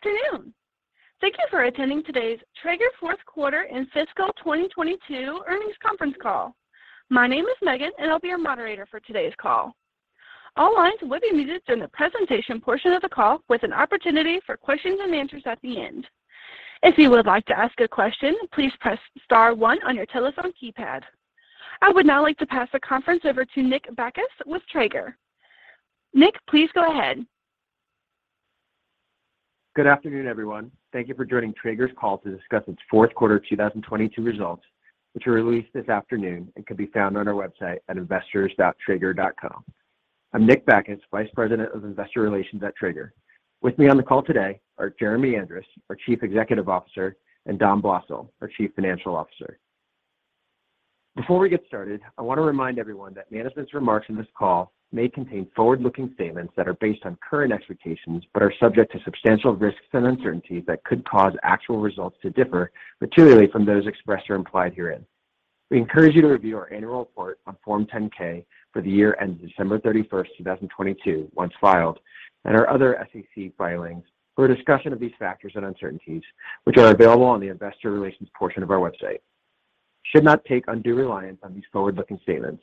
Good afternoon. Thank you for attending today's Traeger Fourth Quarter and Fiscal 2022 Earnings Conference Call. My name is Megan, and I'll be your moderator for today's call. All lines will be muted during the presentation portion of the call with an opportunity for questions and answers at the end. If you would like to ask a question, please press star one on your telephone keypad. I would now like to pass the conference over to Nick Bacchus with Traeger. Nick, please go ahead. Good afternoon, everyone. Thank you for joining Traeger's call to discuss its fourth quarter 2022 results, which were released this afternoon and can be found on our website at investors.traeger.com. I'm Nick Bacchus, Vice President of Investor Relations at Traeger. With me on the call today are Jeremy Andrus, our Chief Executive Officer, and Dom Blosil, our Chief Financial Officer. Before we get started, I want to remind everyone that management's remarks in this call may contain forward-looking statements that are based on current expectations but are subject to substantial risks and uncertainties that could cause actual results to differ materially from those expressed or implied herein. We encourage you to review our annual report on Form 10-K for the year ending December 31, 2022, once filed, and our other SEC filings for a discussion of these factors and uncertainties, which are available on the investor relations portion of our website. You should not take undue reliance on these forward-looking statements.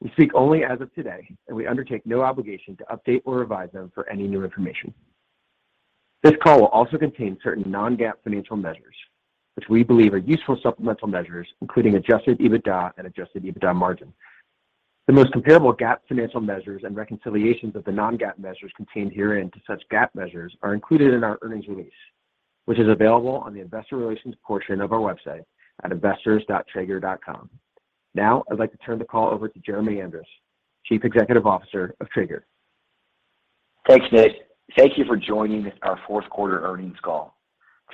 We speak only as of today. We undertake no obligation to update or revise them for any new information. This call will also contain certain non-GAAP financial measures which we believe are useful supplemental measures, including Adjusted EBITDA and Adjusted EBITDA margin. The most comparable GAAP financial measures and reconciliations of the non-GAAP measures contained herein to such GAAP measures are included in our earnings release, which is available on the investor relations portion of our website at investors.traeger.com. I'd like to turn the call over to Jeremy Andrus, Chief Executive Officer of Traeger. Thanks, Nick. Thank you for joining our fourth quarter earnings call.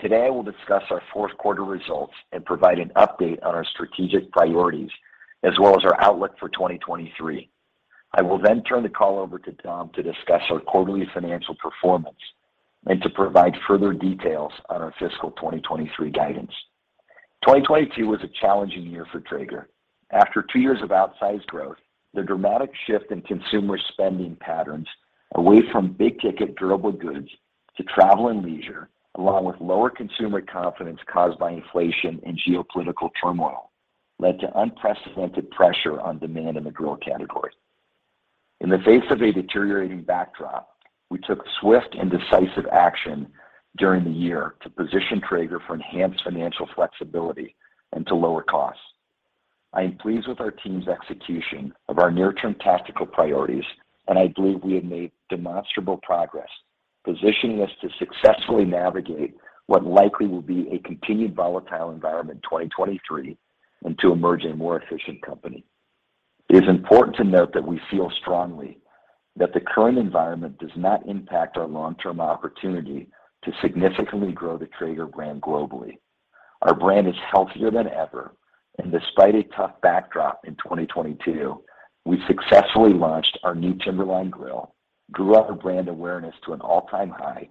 Today, we'll discuss our fourth quarter results and provide an update on our strategic priorities as well as our outlook for 2023. I will then turn the call over to Dom to discuss our quarterly financial performance and to provide further details on our fiscal 2023 guidance. 2022 was a challenging year for Traeger. After two years of outsized growth, the dramatic shift in consumer spending patterns away from big-ticket durable goods to travel and leisure, along with lower consumer confidence caused by inflation and geopolitical turmoil led to unprecedented pressure on demand in the grill category. In the face of a deteriorating backdrop, we took swift and decisive action during the year to position Traeger for enhanced financial flexibility and to lower costs. I am pleased with our team's execution of our near-term tactical priorities, and I believe we have made demonstrable progress, positioning us to successfully navigate what likely will be a continued volatile environment in 2023 and to emerge a more efficient company. It is important to note that we feel strongly that the current environment does not impact our long-term opportunity to significantly grow the Traeger brand globally. Our brand is healthier than ever, and despite a tough backdrop in 2022, we successfully launched our new Timberline grill, grew our brand awareness to an all-time high,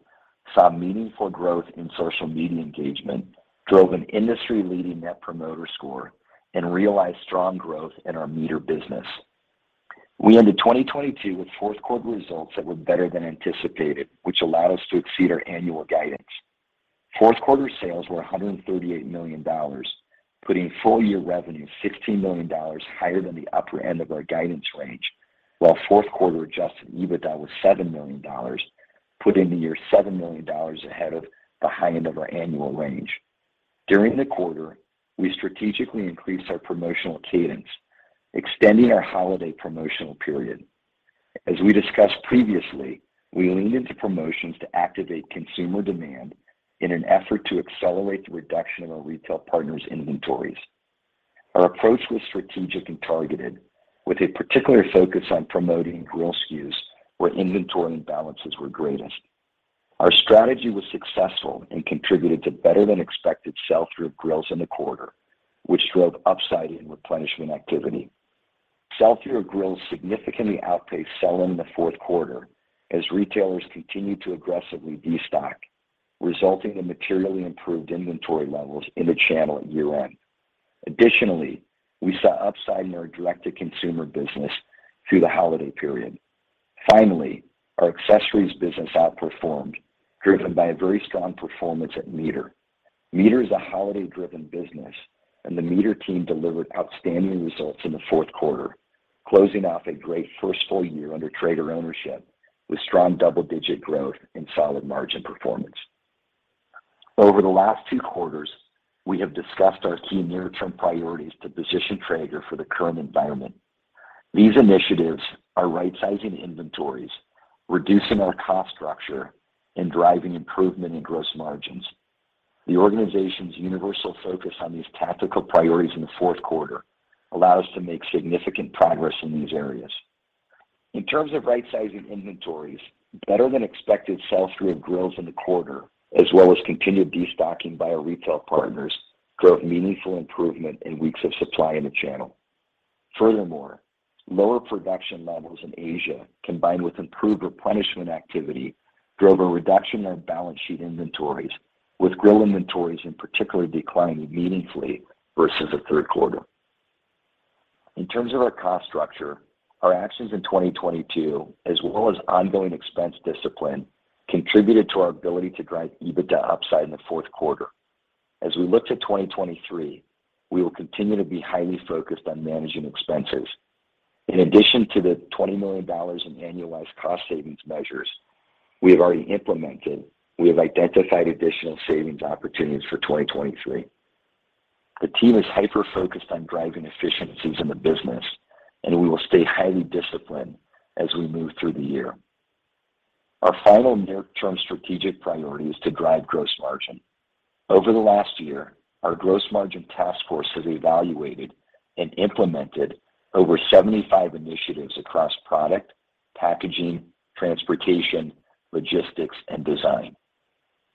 saw meaningful growth in social media engagement, drove an industry-leading Net Promoter Score, and realized strong growth in our MEATER business. We ended 2022 with fourth quarter results that were better than anticipated, which allowed us to exceed our annual guidance. Fourth quarter sales were $138 million, putting full-year revenue $16 million higher than the upper end of our guidance range, while fourth quarter Adjusted EBITDA was $7 million, putting the year $7 million ahead of the high end of our annual range. During the quarter, we strategically increased our promotional cadence, extending our holiday promotional period. As we discussed previously, we leaned into promotions to activate consumer demand in an effort to accelerate the reduction in our retail partners' inventories. Our approach was strategic and targeted, with a particular focus on promoting grill SKUs where inventory imbalances were greatest. Our strategy was successful and contributed to better-than-expected sell-through of grills in the quarter, which drove upside in replenishment activity. Sell-through of grills significantly outpaced sell-in the fourth quarter as retailers continued to aggressively destock, resulting in materially improved inventory levels in the channel at year-end. Additionally, we saw upside in our direct-to-consumer business through the holiday period. Finally, our accessories business outperformed, driven by a very strong performance at MEATER. MEATER is a holiday-driven business, and the MEATER team delivered outstanding results in the fourth quarter, closing off a great first full year under Traeger ownership with strong double-digit growth and solid margin performance. Over the last two quarters, we have discussed our key near-term priorities to position Traeger for the current environment. These initiatives are rightsizing inventories, reducing our cost structure, and driving improvement in gross margins. The organization's universal focus on these tactical priorities in the fourth quarter allowed us to make significant progress in these areas. In terms of rightsizing inventories, better-than-expected sell-through of grills in the quarter, as well as continued destocking by our retail partners, drove meaningful improvement in weeks of supply in the channel. Lower production levels in Asia, combined with improved replenishment activity, drove a reduction in our balance sheet inventories, with grill inventories in particular declining meaningfully versus the third quarter. In terms of our cost structure, our actions in 2022, as well as ongoing expense discipline, contributed to our ability to drive EBITDA upside in the fourth quarter. We look to 2023, we will continue to be highly focused on managing expenses. In addition to the $20 million in annualized cost savings measures we have already implemented, we have identified additional savings opportunities for 2023. The team is hyper-focused on driving efficiencies in the business, we will stay highly disciplined as we move through the year. Our final near-term strategic priority is to drive gross margin. Over the last year, our gross margin task force has evaluated and implemented over 75 initiatives across product, packaging, transportation, logistics, and design.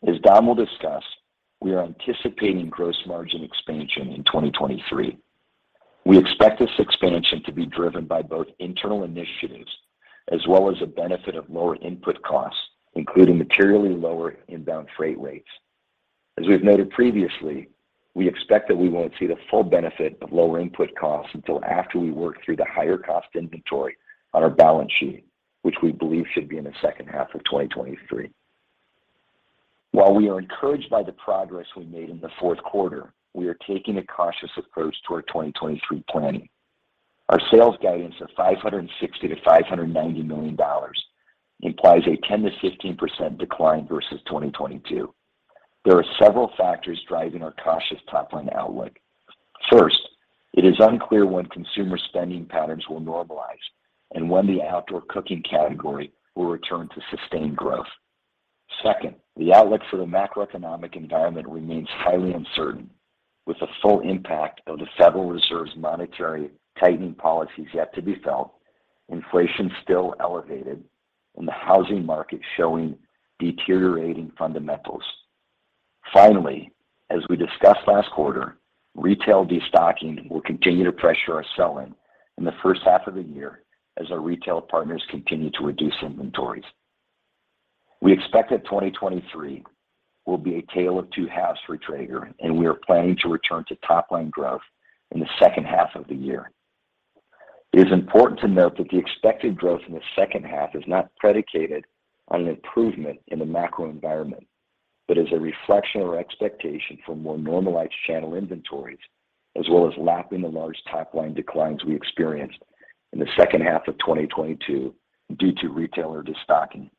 As Dom will discuss, we are anticipating gross margin expansion in 2023. We expect this expansion to be driven by both internal initiatives as well as the benefit of lower input costs, including materially lower inbound freight rates. As we have noted previously, we expect that we won't see the full benefit of lower input costs until after we work through the higher cost inventory on our balance sheet, which we believe should be in the second half of 2023. While we are encouraged by the progress we made in the fourth quarter, we are taking a cautious approach to our 2023 planning. Our sales guidance of $560 million-$590 million implies a 10%-15% decline versus 2022. There are several factors driving our cautious top-line outlook. First, it is unclear when consumer spending patterns will normalize and when the outdoor cooking category will return to sustained growth. Second, the outlook for the macroeconomic environment remains highly uncertain, with the full impact of the Federal Reserve's monetary tightening policies yet to be felt, inflation still elevated, and the housing market showing deteriorating fundamentals. Finally, as we discussed last quarter, retail destocking will continue to pressure our selling in the first half of the year as our retail partners continue to reduce inventories. We expect that 2023 will be a tale of two halves for Traeger, and we are planning to return to top-line growth in the second half of the year. It is important to note that the expected growth in the second half is not predicated on an improvement in the macro environment, but is a reflection or expectation for more normalized channel inventories, as well as lapping the large top-line declines we experienced in the second half of 2022 due to retailer destocking.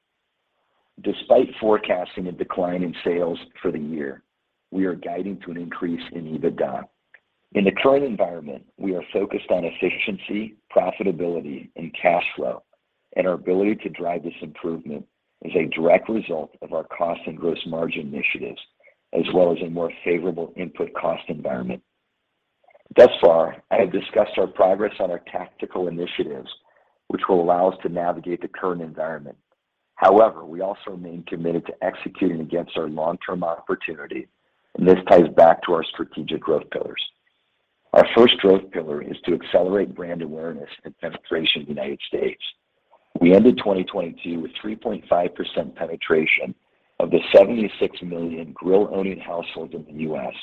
Despite forecasting a decline in sales for the year, we are guiding to an increase in EBITDA. In the current environment, we are focused on efficiency, profitability, and cash flow, and our ability to drive this improvement is a direct result of our cost and gross margin initiatives, as well as a more favorable input cost environment. Thus far, I have discussed our progress on our tactical initiatives, which will allow us to navigate the current environment. We also remain committed to executing against our long-term opportunity, and this ties back to our strategic growth pillars. Our first growth pillar is to accelerate brand awareness and penetration in the United States. We ended 2022 with 3.5% penetration of the 76 million grill-owning households in the U.S.,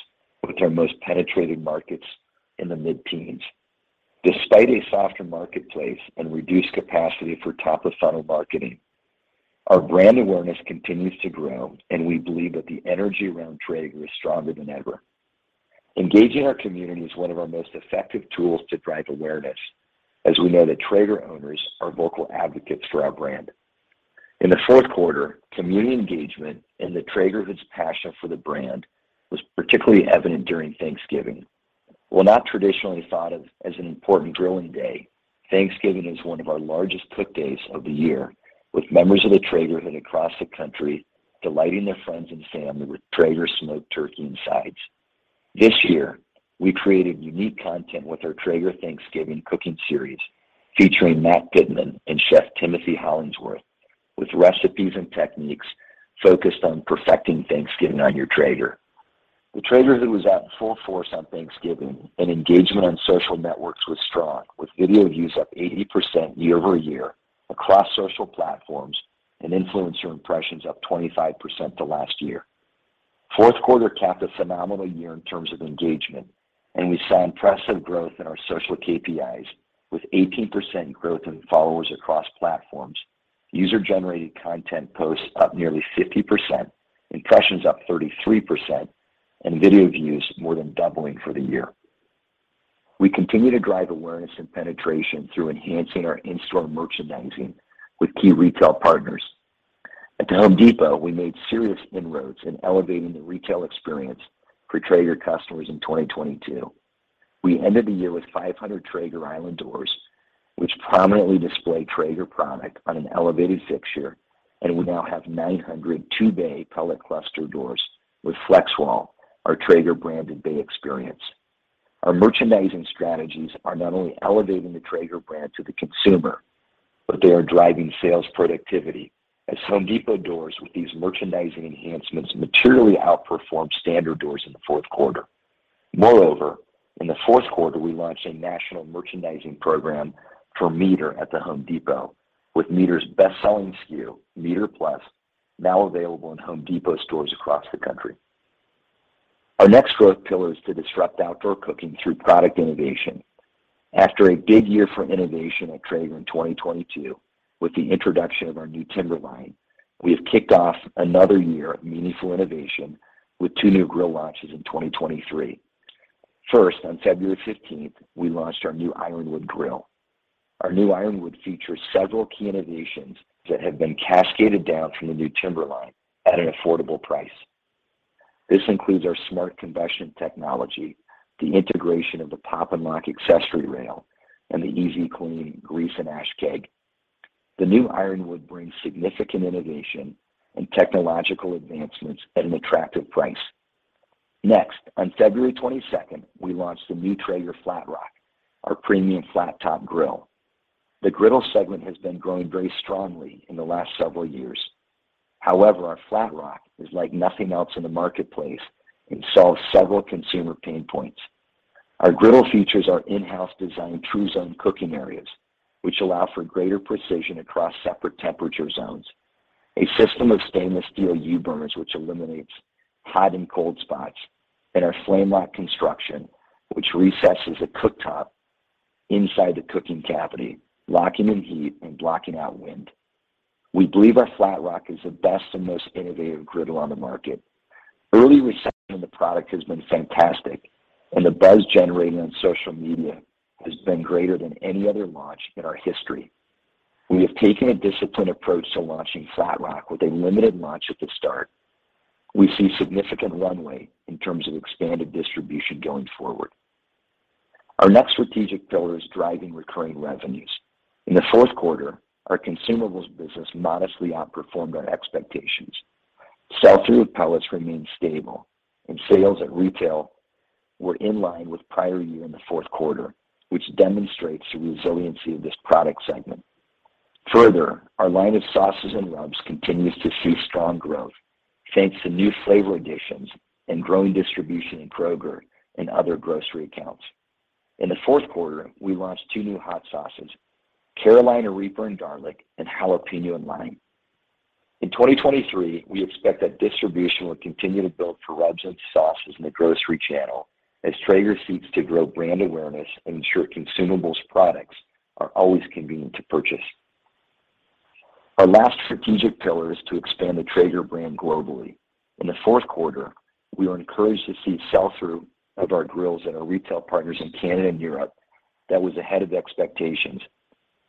with our most penetrated markets in the mid-teens. Despite a softer marketplace and reduced capacity for top-of-funnel marketing, our brand awareness continues to grow, and we believe that the energy around Traeger is stronger than ever. Engaging our community is one of our most effective tools to drive awareness, as we know that Traeger owners are vocal advocates for our brand. In the fourth quarter, community engagement and the Traegerhood's passion for the brand was particularly evident during Thanksgiving. While not traditionally thought of as an important grilling day, Thanksgiving is one of our largest cook days of the year, with members of the Traegerhood across the country delighting their friends and family with Traeger-smoked turkey and sides. This year, we created unique content with our Traeger Thanksgiving cooking series, featuring Matt Goodman and Chef Timothy Hollingsworth, with recipes and techniques focused on perfecting Thanksgiving on your Traeger. The Traegerhood was out in full force on Thanksgiving, engagement on social networks was strong, with video views up 80% year-over-year across social platforms and influencer impressions up 25% to last year. Fourth quarter capped a phenomenal year in terms of engagement, we saw impressive growth in our social KPIs, with 18% growth in followers across platforms, user-generated content posts up nearly 50%, impressions up 33%, and video views more than doubling for the year. We continue to drive awareness and penetration through enhancing our in-store merchandising with key retail partners. At The Home Depot, we made serious inroads in elevating the retail experience for Traeger customers in 2022. We ended the year with 500 Traeger Island Doors, which prominently display Traeger product on an elevated fixture, and we now have 900 two-bay pellet cluster doors with Flex Wall, our Traeger-branded bay experience. Our merchandising strategies are not only elevating the Traeger brand to the consumer, but they are driving sales productivity, as Home Depot doors with these merchandising enhancements materially outperform standard doors in the fourth quarter. Moreover, in the fourth quarter, we launched a national merchandising program for MEATER at The Home Depot, with MEATER's best-selling SKU, MEATER Plus, now available in Home Depot stores across the country. Our next growth pillar is to disrupt outdoor cooking through product innovation. After a big year for innovation at Traeger in 2022 with the introduction of our new Timberline, we have kicked off another year of meaningful innovation with two new grill launches in 2023. First, on February 15th, we launched our new Ironwood grill. Our new Ironwood features several key innovations that have been cascaded down from the new Timberline at an affordable price. This includes our smart combustion technology, the integration of the Pop-And-Lock accessory rail, and the EZ-Clean Grease & Ash Keg. The new Ironwood brings significant innovation and technological advancements at an attractive price. Next, on February 22nd, we launched the new Traeger Flatrock, our premium flat top grill. The griddle segment has been growing very strongly in the last several years. However, our Flatrock is like nothing else in the marketplace and solves several consumer pain points. Our griddle features our in-house designed TruZone cooking areas, which allow for greater precision across separate temperature zones, a system of stainless steel U-burners, which eliminates hot and cold spots, and our FlameLock construction, which recesses the cooktop inside the cooking cavity, locking in heat and blocking out wind. We believe our Flatrock is the best and most innovative griddle on the market. Early reception of the product has been fantastic, and the buzz generated on social media has been greater than any other launch in our history. We have taken a disciplined approach to launching Flatrock with a limited launch at the start. We see significant runway in terms of expanded distribution going forward. Our next strategic pillar is driving recurring revenues. In the fourth quarter, our consumables business modestly outperformed our expectations. Sell-through of pellets remained stable, and sales at retail were in line with prior year in the fourth quarter, which demonstrates the resiliency of this product segment. Further, our line of sauces and rubs continues to see strong growth thanks to new flavor additions and growing distribution in Kroger and other grocery accounts. In the fourth quarter, we launched two new hot sauces, Carolina Reaper and Garlic and Jalapeno and Lime. In 2023, we expect that distribution will continue to build for rubs and sauces in the grocery channel as Traeger seeks to grow brand awareness and ensure consumables products are always convenient to purchase. Our last strategic pillar is to expand the Traeger brand globally. In the fourth quarter, we were encouraged to see sell-through of our grills at our retail partners in Canada and Europe that was ahead of expectations,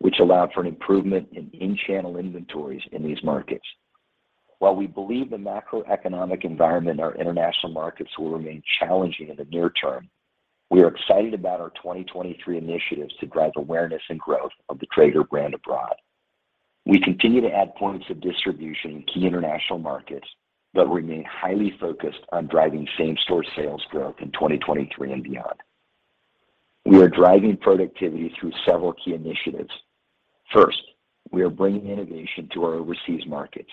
which allowed for an improvement in in-channel inventories in these markets. While we believe the macroeconomic environment in our international markets will remain challenging in the near term, we are excited about our 2023 initiatives to drive awareness and growth of the Traeger brand abroad. We continue to add points of distribution in key international markets, but remain highly focused on driving same-store sales growth in 2023 and beyond. We are driving productivity through several key initiatives. First, we are bringing innovation to our overseas markets.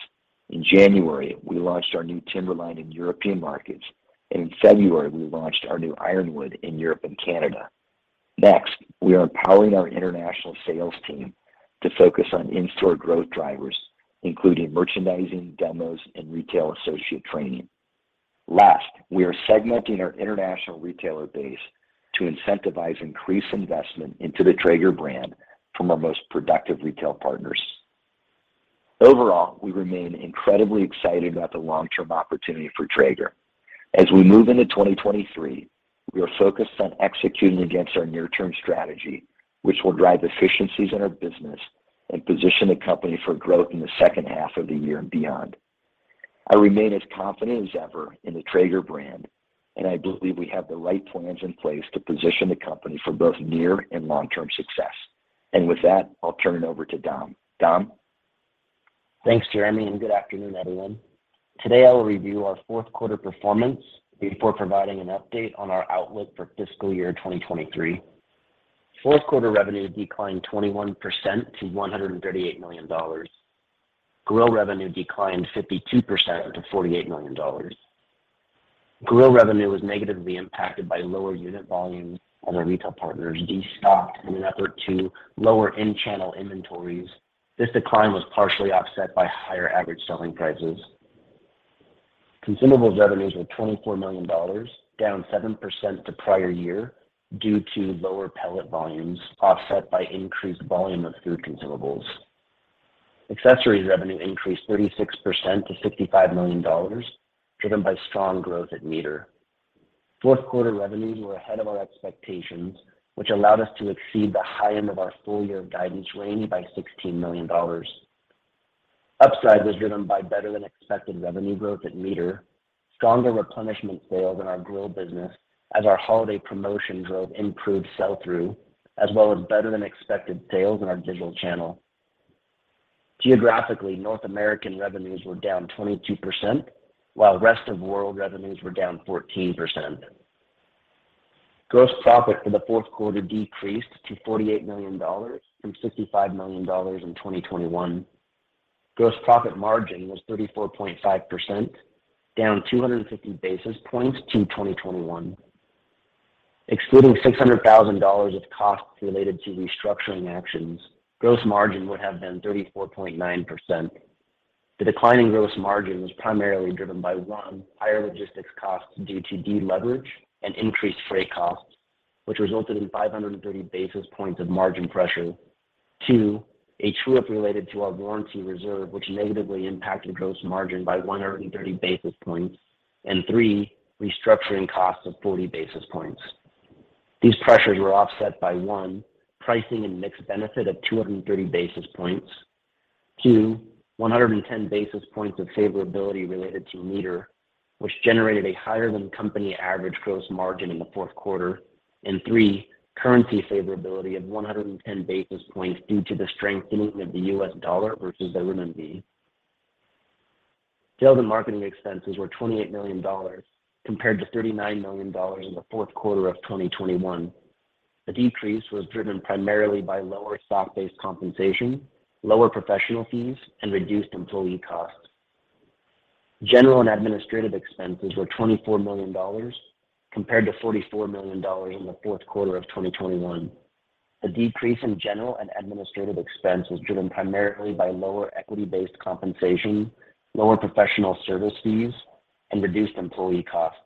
In January, we launched our new Timberline in European markets, and in February, we launched our new Ironwood in Europe and Canada. Next, we are empowering our international sales team to focus on in-store growth drivers, including merchandising, demos, and retail associate training. Last, we are segmenting our international retailer base to incentivize increased investment into the Traeger brand from our most productive retail partners. Overall, we remain incredibly excited about the long-term opportunity for Traeger. As we move into 2023, we are focused on executing against our near-term strategy, which will drive efficiencies in our business and position the company for growth in the second half of the year and beyond. I remain as confident as ever in the Traeger brand, and I believe we have the right plans in place to position the company for both near- and long-term success. With that, I'll turn it over to Dom. Dom? Thanks, Jeremy. Good afternoon, everyone. Today, I will review our fourth quarter performance before providing an update on our outlook for fiscal year 2023. Fourth quarter revenue declined 21% to $138 million. Grill revenue declined 52% to $48 million. Grill revenue was negatively impacted by lower unit volumes as our retail partners destocked in an effort to lower in-channel inventories. This decline was partially offset by higher average selling prices. Consumables revenues were $24 million, down 7% to prior year due to lower pellet volumes offset by increased volume of food consumables. Accessories revenue increased 36% to $55 million, driven by strong growth at MEATER. Fourth quarter revenues were ahead of our expectations, which allowed us to exceed the high end of our full-year guidance range by $16 million. Upside was driven by better-than-expected revenue growth at MEATER, stronger replenishment sales in our grill business as our holiday promotion drove improved sell-through, as well as better-than-expected sales in our digital channel. Geographically, North American revenues were down 22%, while rest-of-world revenues were down 14%. Gross profit for the fourth quarter decreased to $48 million from $65 million in 2021. Gross profit margin was 34.5%, down 250 basis points to 2021. Excluding $600,000 of costs related to restructuring actions, gross margin would have been 34.9%. The decline in gross margin was primarily driven by, one, higher logistics costs due to deleverage and increased freight costs, which resulted in 530 basis points of margin pressure. Two, a true-up related to our warranty reserve, which negatively impacted gross margin by 130 basis points. Three, restructuring costs of 40 basis points. These pressures were offset by, one, pricing and mixed benefit of 230 basis points. Two, 110 basis points of favorability related to MEATER, which generated a higher than company average gross margin in the fourth quarter. Three, currency favorability of 110 basis points due to the strengthening of the US dollar versus the renminbi. Sales and marketing expenses were $28 million compared to $39 million in the fourth quarter of 2021. The decrease was driven primarily by lower stock-based compensation, lower professional fees, and reduced employee costs. General and administrative expenses were $24 million compared to $44 million in the fourth quarter of 2021. The decrease in general and administrative expense was driven primarily by lower equity-based compensation, lower professional service fees, and reduced employee costs.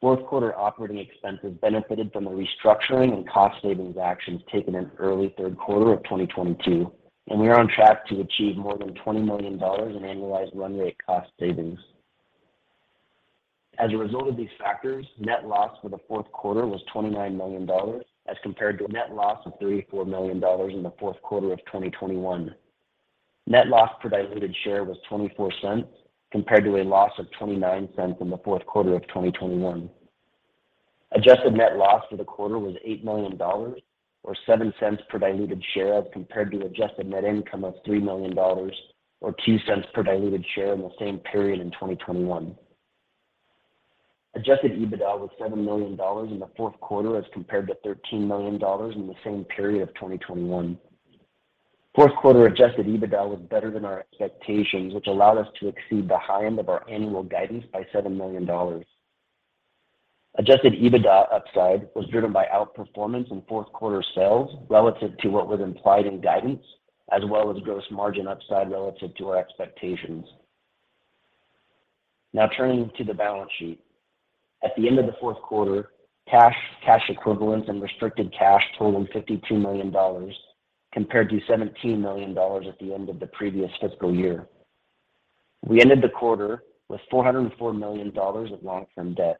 Fourth quarter operating expenses benefited from the restructuring and cost savings actions taken in early third quarter of 2022, and we are on track to achieve more than $20 million in annualized run rate cost savings. As a result of these factors, net loss for the fourth quarter was $29 million as compared to a net loss of $34 million in the fourth quarter of 2021. Net loss per diluted share was $0.24 compared to a loss of $0.29 in the fourth quarter of 2021. Adjusted net loss for the quarter was $8 million or $0.07 per diluted share as compared to adjusted net income of $3 million or $0.02 per diluted share in the same period in 2021. Adjusted EBITDA was $7 million in the fourth quarter as compared to $13 million in the same period of 2021. Fourth quarter Adjusted EBITDA was better than our expectations, which allowed us to exceed the high end of our annual guidance by $7 million. Adjusted EBITDA upside was driven by outperformance in fourth quarter sales relative to what was implied in guidance, as well as gross margin upside relative to our expectations. Turning to the balance sheet. At the end of the fourth quarter, cash equivalents, and restricted cash totaled $52 million compared to $17 million at the end of the previous fiscal year. We ended the quarter with $404 million of long-term debt.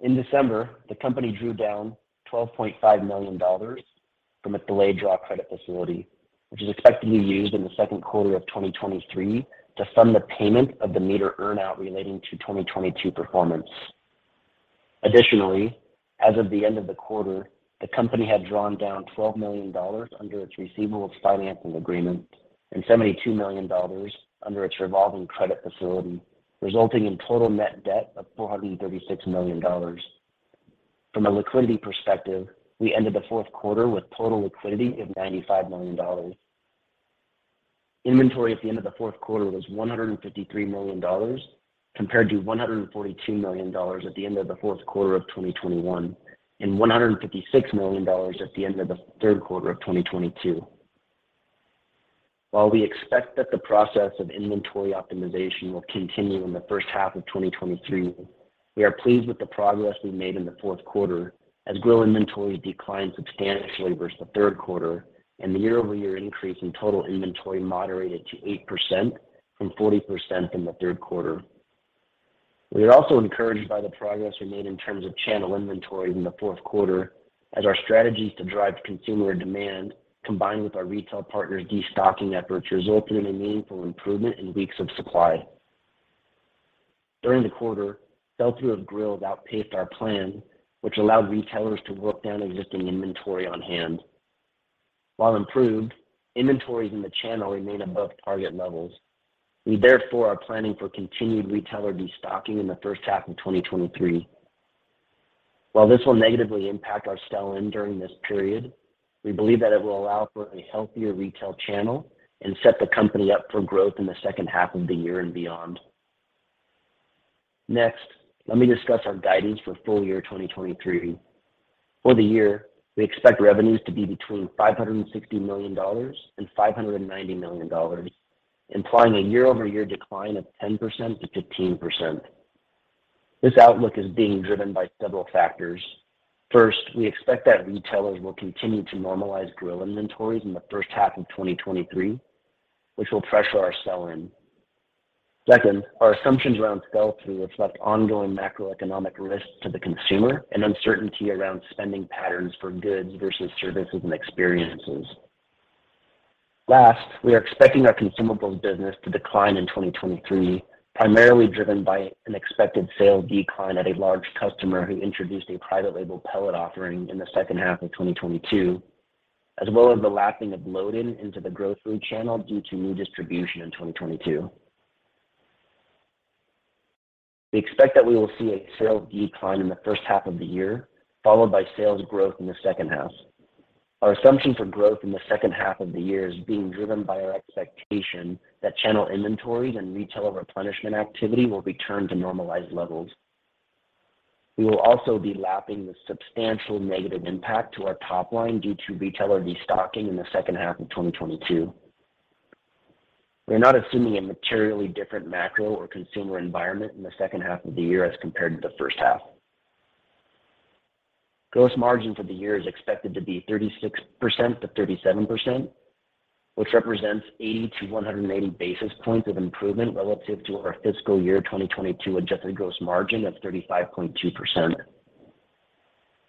In December, the company drew down $12.5 million from its delayed draw credit facility, which is expected to be used in the second quarter of 2023 to fund the payment of the MEATER earn-out relating to 2022 performance. Additionally, as of the end of the quarter, the company had drawn down $12 million under its receivables financing agreement and $72 million under its revolving credit facility, resulting in total net debt of $436 million. From a liquidity perspective, we ended the fourth quarter with total liquidity of $95 million. Inventory at the end of the fourth quarter was $153 million compared to $142 million at the end of the fourth quarter of 2021 and $156 million at the end of the third quarter of 2022. While we expect that the process of inventory optimization will continue in the first half of 2023, we are pleased with the progress we made in the fourth quarter as grill inventory declined substantially versus the third quarter and the year-over-year increase in total inventory moderated to 8% from 40% in the third quarter. We are also encouraged by the progress we made in terms of channel inventory in the fourth quarter as our strategies to drive consumer demand combined with our retail partners' destocking efforts resulted in a meaningful improvement in weeks of supply. During the quarter, sell-through of grills outpaced our plan, which allowed retailers to work down existing inventory on hand. While improved, inventories in the channel remain above target levels. We therefore are planning for continued retailer destocking in the first half of 2023. While this will negatively impact our sell-in during this period, we believe that it will allow for a healthier retail channel and set the company up for growth in the second half of the year and beyond. Next, let me discuss our guidance for full year 2023. For the year, we expect revenues to be between $560 million and $590 million, implying a year-over-year decline of 10%-15%. This outlook is being driven by several factors. First, we expect that retailers will continue to normalize grill inventories in the first half of 2023, which will pressure our sell-in. Second, our assumptions around sell-through reflect ongoing macroeconomic risks to the consumer and uncertainty around spending patterns for goods versus services and experiences. Last, we are expecting our consumables business to decline in 2023, primarily driven by an expected sales decline at a large customer who introduced a private label pellet offering in the second half of 2022, as well as the lapping of load-in into the grocery channel due to new distribution in 2022. We expect that we will see a sales decline in the first half of the year, followed by sales growth in the second half. Our assumption for growth in the second half of the year is being driven by our expectation that channel inventories and retailer replenishment activity will return to normalized levels. We will also be lapping the substantial negative impact to our top line due to retailer destocking in the second half of 2022. We are not assuming a materially different macro or consumer environment in the second half of the year as compared to the first half. Gross margin for the year is expected to be 36%-37%, which represents 80-180 basis points of improvement relative to our fiscal year 2022 adjusted gross margin of 35.2%.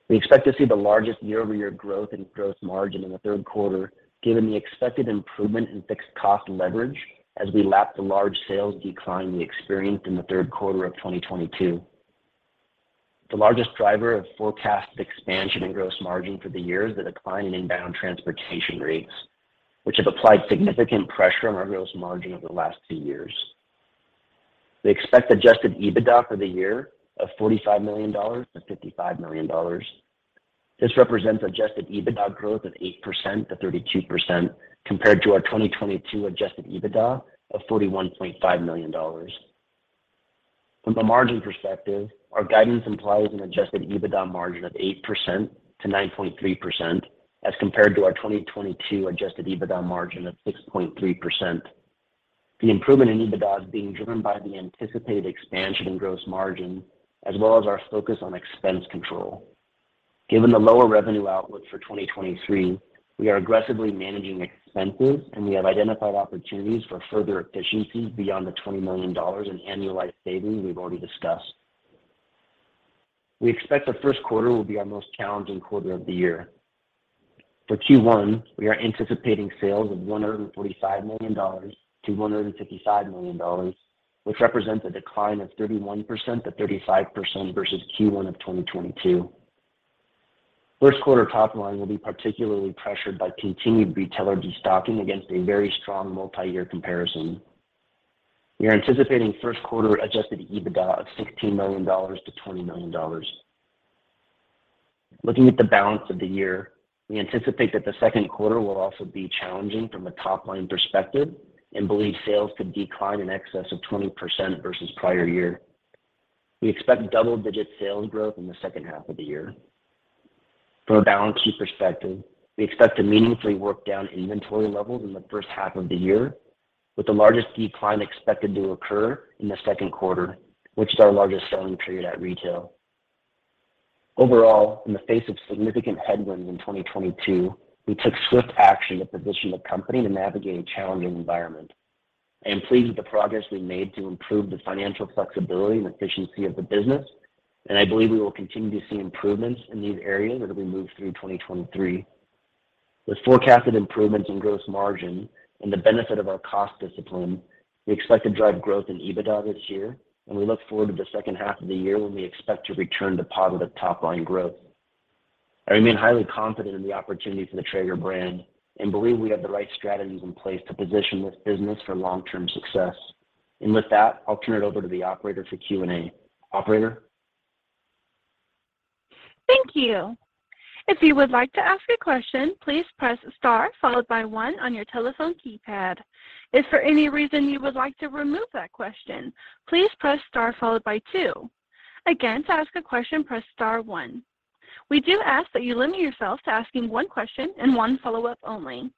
We expect to see the largest year-over-year growth in gross margin in the third quarter, given the expected improvement in fixed cost leverage as we lap the large sales decline we experienced in the third quarter of 2022. The largest driver of forecasted expansion in gross margin for the year is the decline in inbound transportation rates, which have applied significant pressure on our gross margin over the last two years. We expect Adjusted EBITDA for the year of $45 million-$55 million. This represents Adjusted EBITDA growth of 8%-32% compared to our 2022 Adjusted EBITDA of $41.5 million. From a margin perspective, our guidance implies an Adjusted EBITDA margin of 8%-9.3% as compared to our 2022 Adjusted EBITDA margin of 6.3%. The improvement in EBITDA is being driven by the anticipated expansion in gross margin as well as our focus on expense control. Given the lower revenue outlook for 2023, we are aggressively managing expenses. We have identified opportunities for further efficiencies beyond the $20 million in annualized savings we've already discussed. We expect the first quarter will be our most challenging quarter of the year. For Q1, we are anticipating sales of $145 million-$155 million, which represents a decline of 31%-35% versus Q1 of 2022. First quarter top line will be particularly pressured by continued retailer destocking against a very strong multi-year comparison. We are anticipating first quarter Adjusted EBITDA of $16 million-$20 million. Looking at the balance of the year, we anticipate that the second quarter will also be challenging from a top-line perspective and believe sales could decline in excess of 20% versus prior year. We expect double-digit sales growth in the second half of the year. From a balance sheet perspective, we expect to meaningfully work down inventory levels in the first half of the year, with the largest decline expected to occur in the second quarter, which is our largest selling period at retail. Overall, in the face of significant headwinds in 2022, we took swift action to position the company to navigate a challenging environment. I am pleased with the progress we made to improve the financial flexibility and efficiency of the business, and I believe we will continue to see improvements in these areas as we move through 2023. With forecasted improvements in gross margin and the benefit of our cost discipline, we expect to drive growth in EBITDA this year, and we look forward to the second half of the year when we expect to return to positive top-line growth. I remain highly confident in the opportunity for the Traeger brand and believe we have the right strategies in place to position this business for long-term success. With that, I'll turn it over to the operator for Q&A. Operator? Thank you. If you would like to ask a question, please press star followed by one on your telephone keypad. If for any reason you would like to remove that question, please press star followed by two. Again, to ask a question, press star one. We do ask that you limit yourself to asking one question and one follow-up only.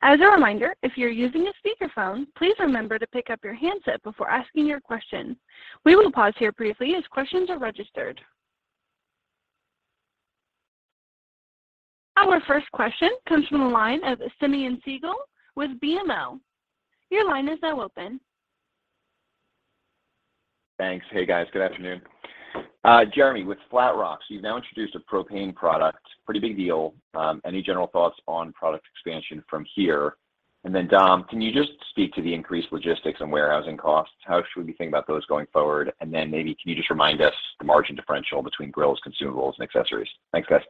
As a reminder, if you're using a speakerphone, please remember to pick up your handset before asking your question. We will pause here briefly as questions are registered. Our first question comes from the line of Simeon Siegel with BMO. Your line is now open. Thanks. Hey, guys. Good afternoon. Jeremy, with Flatrock, you've now introduced a propane product. Pretty big deal. Any general thoughts on product expansion from here? Dom, can you just speak to the increased logistics and warehousing costs? How should we think about those going forward? Maybe can you just remind us the margin differential between grills, consumables, and accessories? Thanks, guys.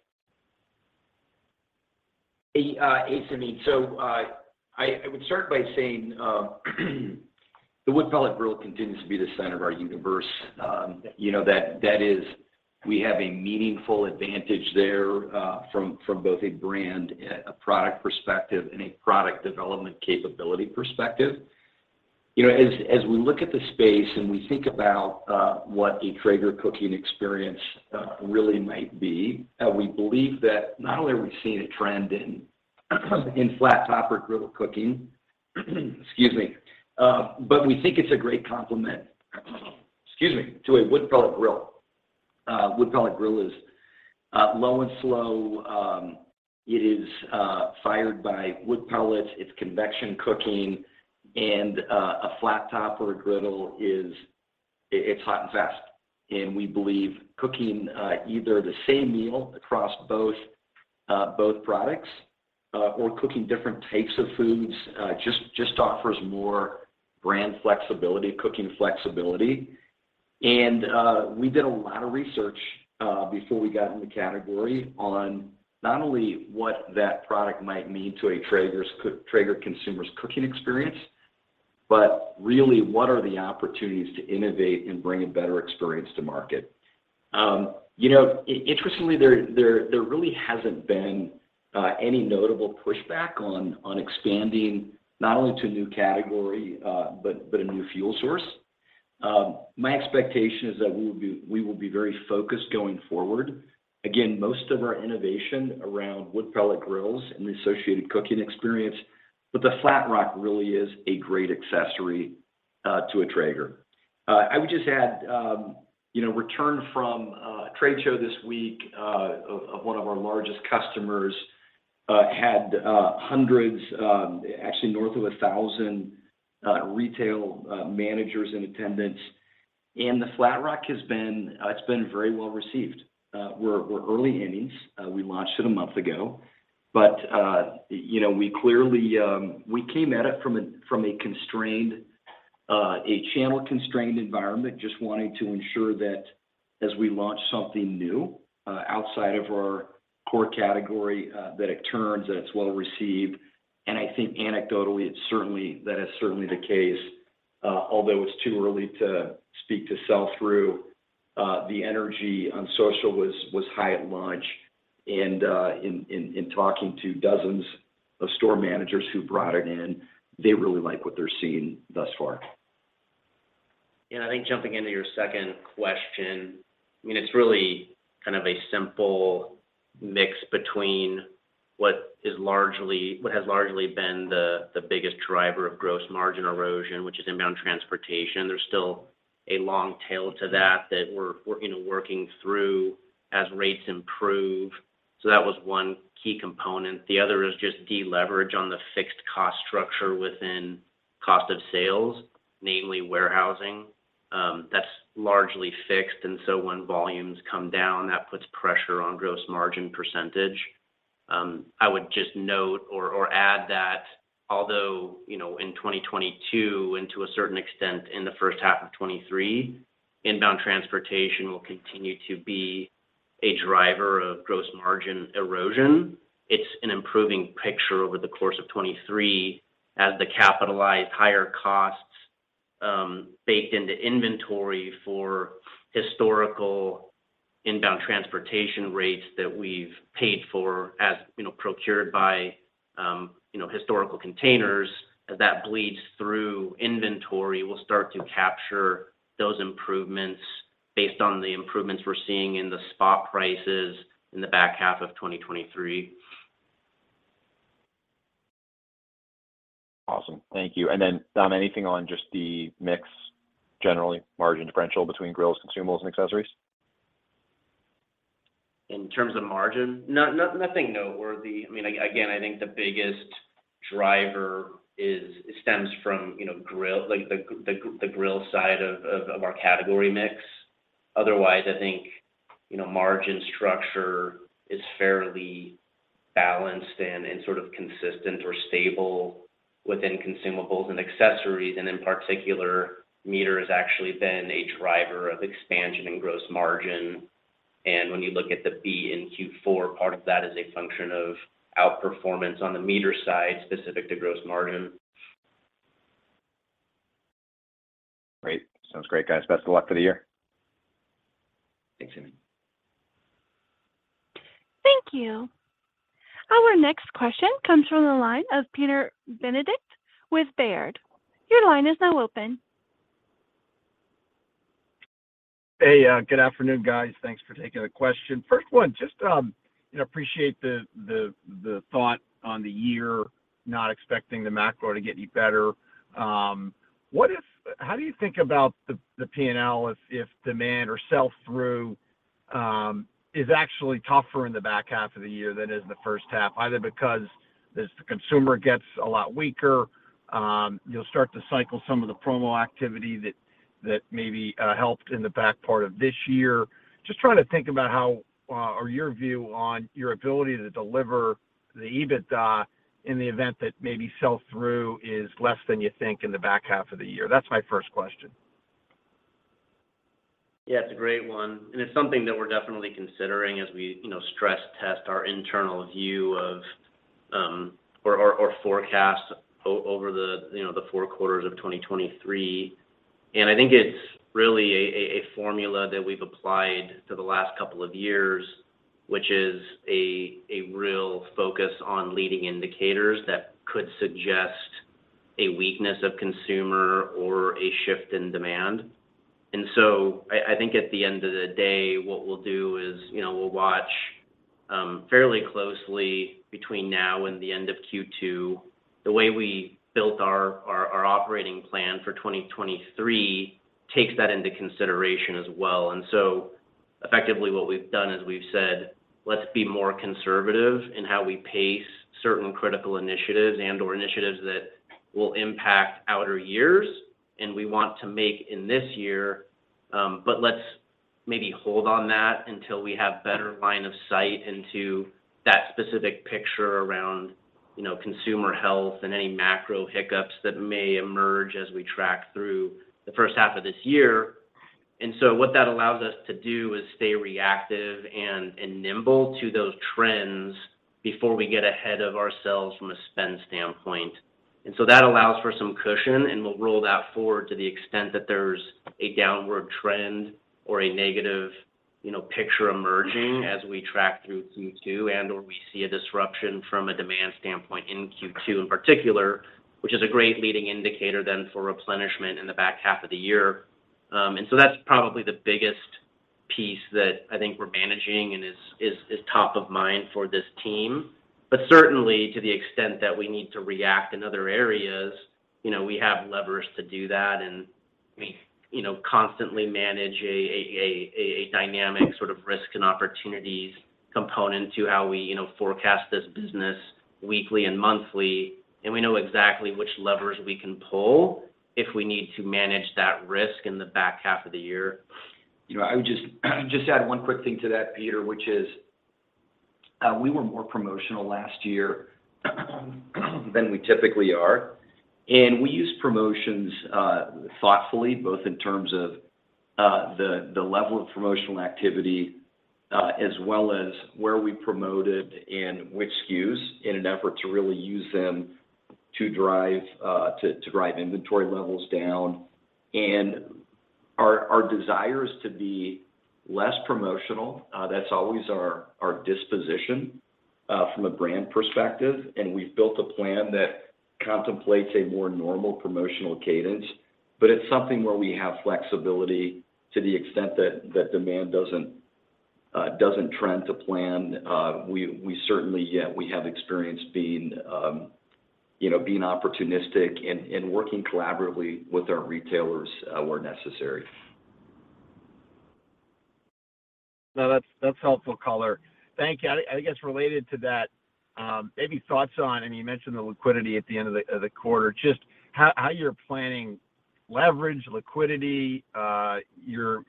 Hey, hey, Simeon. I would start by saying, the wood pellet grill continues to be the center of our universe. You know, that is we have a meaningful advantage there, from both a brand, a product perspective and a product development capability perspective. You know, as we look at the space and we think about what a Traeger cooking experience really might be, we believe that not only are we seeing a trend in flat top or griddle cooking, excuse me, but we think it's a great complement, excuse me, to a wood pellet grill. Wood pellet grill is low and slow. It is fired by wood pellets, it's convection cooking, and a flat top or a griddle is hot and fast. We believe cooking, either the same meal across both products, or cooking different types of foods, just offers more brand flexibility, cooking flexibility. We did a lot of research, before we got in the category on not only what that product might mean to a Traeger consumer's cooking experience. Really, what are the opportunities to innovate and bring a better experience to market? You know, interestingly, there really hasn't been any notable pushback on expanding not only to a new category, but a new fuel source. My expectation is that we will be very focused going forward. Again, most of our innovation around wood pellet grills and the associated cooking experience, but the Flatrock really is a great accessory to a Traeger. I would just add, you know, returned from a trade show this week of one of our largest customers, had hundreds, actually north of 1,000 retail managers in attendance, and the Flatrock has been very well-received. We're early innings. We launched it a month ago. You know, we clearly. We came at it from a constrained, a channel-constrained environment, just wanting to ensure that as we launch something new, outside of our core category, that it turns and it's well-received. I think anecdotally, it's certainly that is certainly the case. Although it's too early to speak to sell-through, the energy on social was high at launch, and in talking to dozens of store managers who brought it in, they really like what they're seeing thus far. I think jumping into your second question, I mean, it's really kind of a simple mix between what has largely been the biggest driver of gross margin erosion, which is inbound transportation. There's still a long tail to that that we're, you know, working through as rates improve. That was one key component. The other is just deleverage on the fixed cost structure within cost of sales, namely warehousing. That's largely fixed. When volumes come down, that puts pressure on gross margin percentage. I would just note or add that although, you know, in 2022, and to a certain extent in the first half of 2023, inbound transportation will continue to be a driver of gross margin erosion. It's an improving picture over the course of 2023 as the capitalized higher costs, baked into inventory for historical inbound transportation rates that we've paid for as, you know, procured by, you know, historical containers. As that bleeds through inventory, we'll start to capture those improvements based on the improvements we're seeing in the spot prices in the back half of 2023. Awesome. Thank you. Anything on just the mix, generally, margin differential between grills, consumables, and accessories? In terms of margin? Nothing noteworthy. I mean, again, I think the biggest driver stems from, you know, grill, like the grill side of our category mix. Otherwise, I think, you know, margin structure is fairly balanced and sort of consistent or stable within consumables and accessories. In particular, MEATER has actually been a driver of expansion in gross margin. When you look at the B in Q4, part of that is a function of outperformance on the MEATER side specific to gross margin. Great. Sounds great, guys. Best of luck for the year. Thanks, Simeon. Thank you. Our next question comes from the line of Peter Benedict with Baird. Your line is now open. Hey. Good afternoon, guys. Thanks for taking the question. First one, just, you know, appreciate the thought on the year, not expecting the macro to get any better. How do you think about the P&L if demand or sell-through is actually tougher in the back half of the year than it is in the first half, either because as the consumer gets a lot weaker, you'll start to cycle some of the promo activity that maybe helped in the back part of this year? Just trying to think about how or your view on your ability to deliver the EBITDA in the event that maybe sell-through is less than you think in the back half of the year. That's my first question. Yeah, it's a great one, and it's something that we're definitely considering as we, you know, stress test our internal view of, or, or forecast over the, you know, the 4 quarters of 2023. I think it's really a, a formula that we've applied to the last couple of years, which is a real focus on leading indicators that could suggest a weakness of consumer or a shift in demand. I think at the end of the day, what we'll do is, you know, we'll watch, fairly closely between now and the end of Q2. The way we built our, our operating plan for 2023 takes that into consideration as well. Effectively what we've done is we've said, "Let's be more conservative in how we pace certain critical initiatives and/or initiatives that will impact outer years and we want to make in this year, but let's maybe hold on that until we have better line of sight into that specific picture around, you know, consumer health and any macro hiccups that may emerge as we track through the first half of this year." What that allows us to do is stay reactive and nimble to those trends before we get ahead of ourselves from a spend standpoint. That allows for some cushion, and we'll roll that forward to the extent that there's a downward trend or a negative, you know, picture emerging as we track through Q2 and/or we see a disruption from a demand standpoint in Q2 in particular, which is a great leading indicator then for replenishment in the back half of the year. That's probably the biggest piece that I think we're managing and is top of mind for this team. Certainly, to the extent that we need to react in other areas, you know, we have levers to do that, and we, you know, constantly manage a dynamic sort of risk and opportunities component to how we, you know, forecast this business weekly and monthly, and we know exactly which levers we can pull if we need to manage that risk in the back half of the year. You know, I would just add one quick thing to that, Peter, which is, we were more promotional last year than we typically are. We use promotions thoughtfully, both in terms of the level of promotional activity, as well as where we promoted and which SKUs in an effort to really use them to drive inventory levels down. Our desire is to be less promotional, that's always our disposition from a brand perspective, and we've built a plan that contemplates a more normal promotional cadence. It's something where we have flexibility to the extent that that demand doesn't trend to plan. We certainly, yeah, we have experience being, you know, being opportunistic and working collaboratively with our retailers where necessary. No, that's helpful color. Thank you. I guess related to that, maybe thoughts on, I mean, you mentioned the liquidity at the end of the quarter, just how you're planning leverage, liquidity, your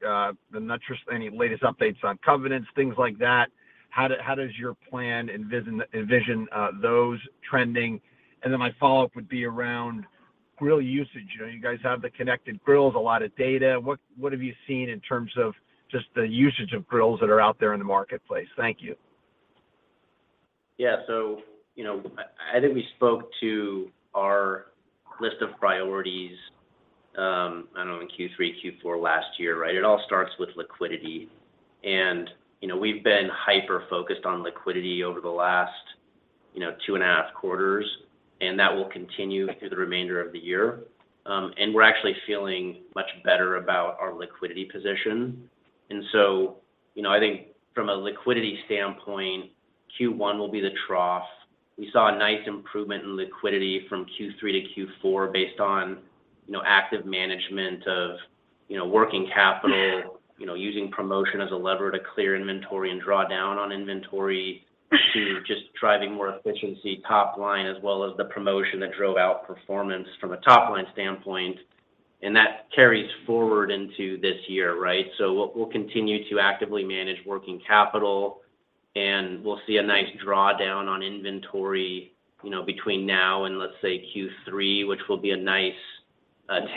any latest updates on covenants, things like that. How does your plan envision those trending? Then my follow-up would be around grill usage. You know, you guys have the connected grills, a lot of data. What have you seen in terms of just the usage of grills that are out there in the marketplace? Thank you. Yeah. you know, I think we spoke to our list of priorities, I don't know, in Q3, Q4 last year, right? It all starts with liquidity. you know, we've been hyper-focused on liquidity over the last, you know, 2 and a half quarters, and that will continue through the remainder of the year. we're actually feeling much better about our liquidity position. you know, I think from a liquidity standpoint, Q1 will be the trough. We saw a nice improvement in liquidity from Q3 to Q4 based on, you know, active management of, you know, working capital, you know, using promotion as a lever to clear inventory and draw down on inventory to just driving more efficiency top line as well as the promotion that drove out performance from a top-line standpoint. that carries forward into this year, right? We'll continue to actively manage working capital, and we'll see a nice drawdown on inventory, you know, between now and let's say Q3, which will be a nice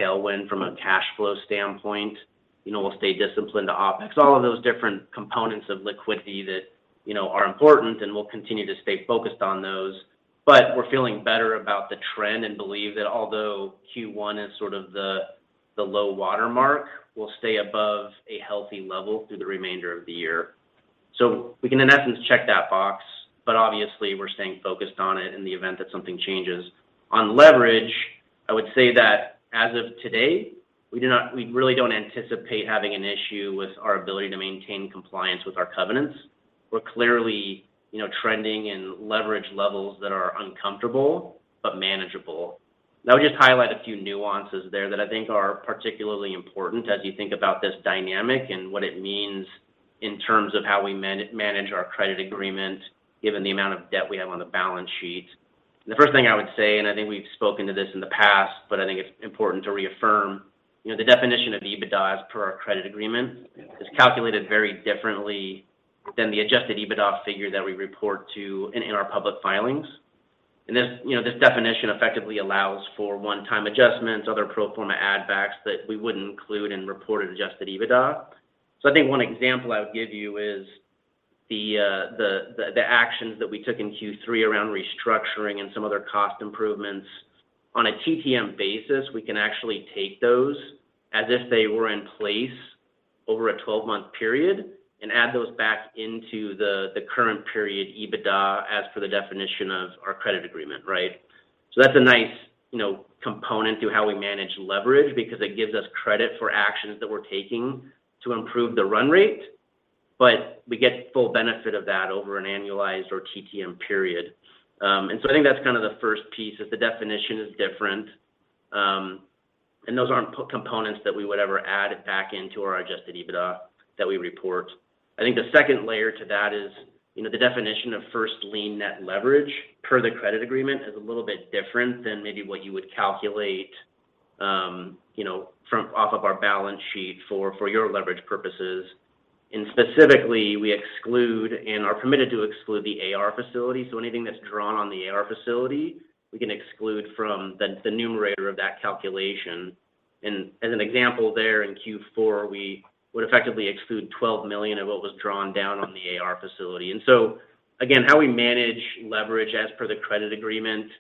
tailwind from a cash flow standpoint. You know, we'll stay disciplined to OpEx, all of those different components of liquidity that, you know, are important, and we'll continue to stay focused on those. We're feeling better about the trend and believe that although Q1 is sort of the low water mark, we'll stay above a healthy level through the remainder of the year. We can, in essence, check that box, but obviously, we're staying focused on it in the event that something changes. On leverage, I would say that as of today, we really don't anticipate having an issue with our ability to maintain compliance with our covenants. We're clearly, you know, trending in leverage levels that are uncomfortable but manageable. I would just highlight a few nuances there that I think are particularly important as you think about this dynamic and what it means in terms of how we manage our credit agreement given the amount of debt we have on the balance sheet. The first thing I would say, and I think we've spoken to this in the past, but I think it's important to reaffirm, you know, the definition of EBITDA as per our credit agreement is calculated very differently than the Adjusted EBITDA figure that we report to in our public filings. This, you know, this definition effectively allows for one-time adjustments, other pro forma add backs that we wouldn't include in reported Adjusted EBITDA. I think one example I would give you is the actions that we took in Q3 around restructuring and some other cost improvements. On a TTM basis, we can actually take those as if they were in place over a 12-month period and add those back into the current period EBITDA as per the definition of our credit agreement, right? That's a nice, you know, component to how we manage leverage because it gives us credit for actions that we're taking to improve the run rate, but we get full benefit of that over an annualized or TTM period. I think that's kind of the first piece is the definition is different, and those aren't co-components that we would ever add back into our Adjusted EBITDA that we report. I think the second layer to that is, you know, the definition of first lien net leverage per the credit agreement is a little bit different than maybe what you would calculate, you know, from off of our balance sheet for your leverage purposes. Specifically, we exclude and are permitted to exclude the AR facility. Anything that's drawn on the AR facility, we can exclude from the numerator of that calculation. As an example there, in Q4, we would effectively exclude $12 million of what was drawn down on the AR facility. Again, how we manage leverage as per the credit agreement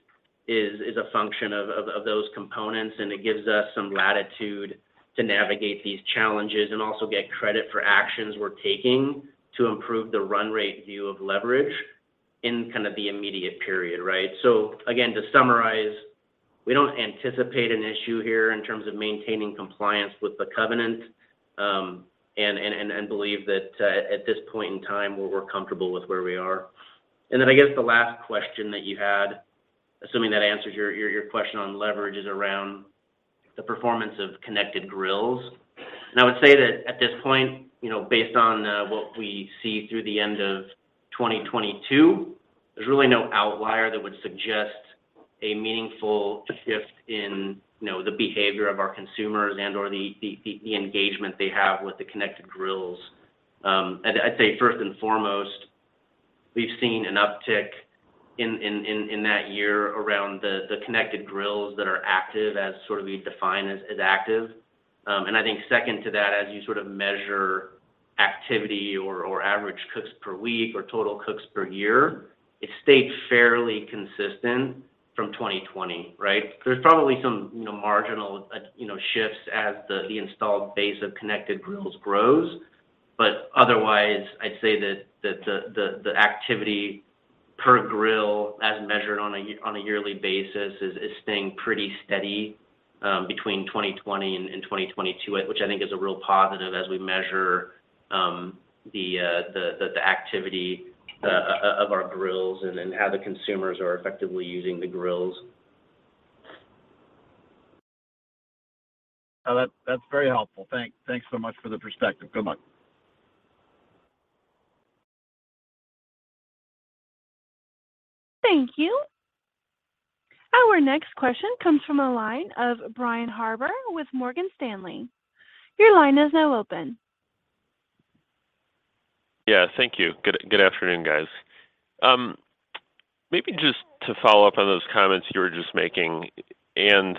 is a function of those components, and it gives us some latitude to navigate these challenges and also get credit for actions we're taking to improve the run rate view of leverage in kind of the immediate period, right? Again, to summarize, we don't anticipate an issue here in terms of maintaining compliance with the covenant, and believe that at this point in time we're comfortable with where we are. I guess the last question that you had, assuming that answers your question on leverage, is around the performance of connected grills. I would say that at this point, you know, based on what we see through the end of 2022, there's really no outlier that would suggest a meaningful shift in, you know, the behavior of our consumers and/or the engagement they have with the connected grills. I'd say first and foremost, we've seen an uptick in that year around the connected grills that are active as sort of we define as active. I think second to that, as you sort of measure activity or average cooks per week or total cooks per year, it stayed fairly consistent from 2020, right? There's probably some, you know, marginal, you know, shifts as the installed base of connected grills grows. Otherwise, I'd say that the activity per grill as measured on a yearly basis is staying pretty steady, between 2020 and 2022, which I think is a real positive as we measure the activity of our grills and how the consumers are effectively using the grills. That's very helpful. Thanks so much for the perspective. Good luck. Thank you. Our next question comes from a line of Brian Harbour with Morgan Stanley. Your line is now open. Yeah, thank you. Good afternoon, guys. Maybe just to follow up on those comments you were just making, and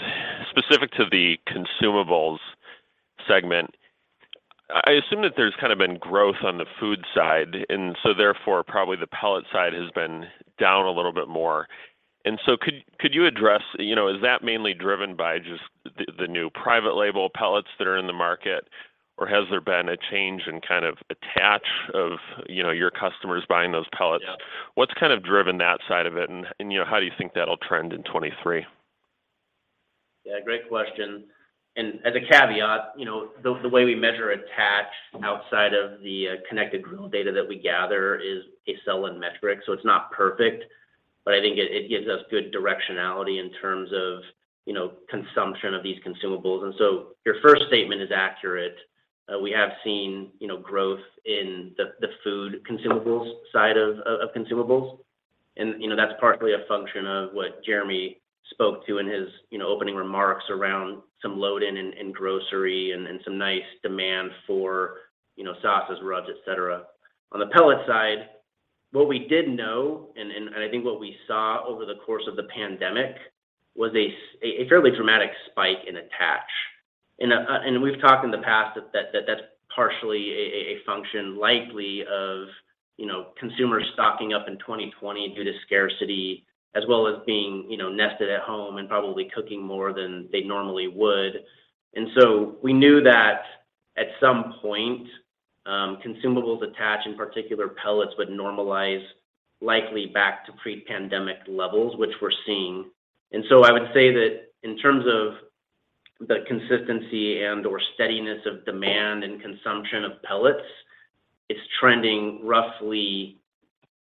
specific to the consumables segment, I assume that there's kind of been growth on the food side, and so therefore probably the pellet side has been down a little bit more. Could you address, you know, is that mainly driven by just the new private label pellets that are in the market, or has there been a change in kind of attach of, you know, your customers buying those pellets? Yeah. What's kind of driven that side of it and, you know, how do you think that'll trend in 2023? Yeah, great question. As a caveat, you know, the way we measure attach outside of the connected grill data that we gather is a sell-in metric, so it's not perfect. I think it gives us good directionality in terms of, you know, consumption of these consumables. Your first statement is accurate. We have seen, you know, growth in the food consumables side of consumables. You know, that's partly a function of what Jeremy spoke to in his, you know, opening remarks around some load in grocery and some nice demand for, you know, sauces, rubs, et cetera. On the pellet side, what we did know and I think what we saw over the course of the pandemic was a fairly dramatic spike in attach. We've talked in the past that that's partially a function likely of, you know, consumers stocking up in 2020 due to scarcity as well as being, you know, nested at home and probably cooking more than they normally would. We knew that at some point, consumables attach, in particular pellets, would normalize likely back to pre-pandemic levels, which we're seeing. I would say that in terms of the consistency and/or steadiness of demand and consumption of pellets, it's trending roughly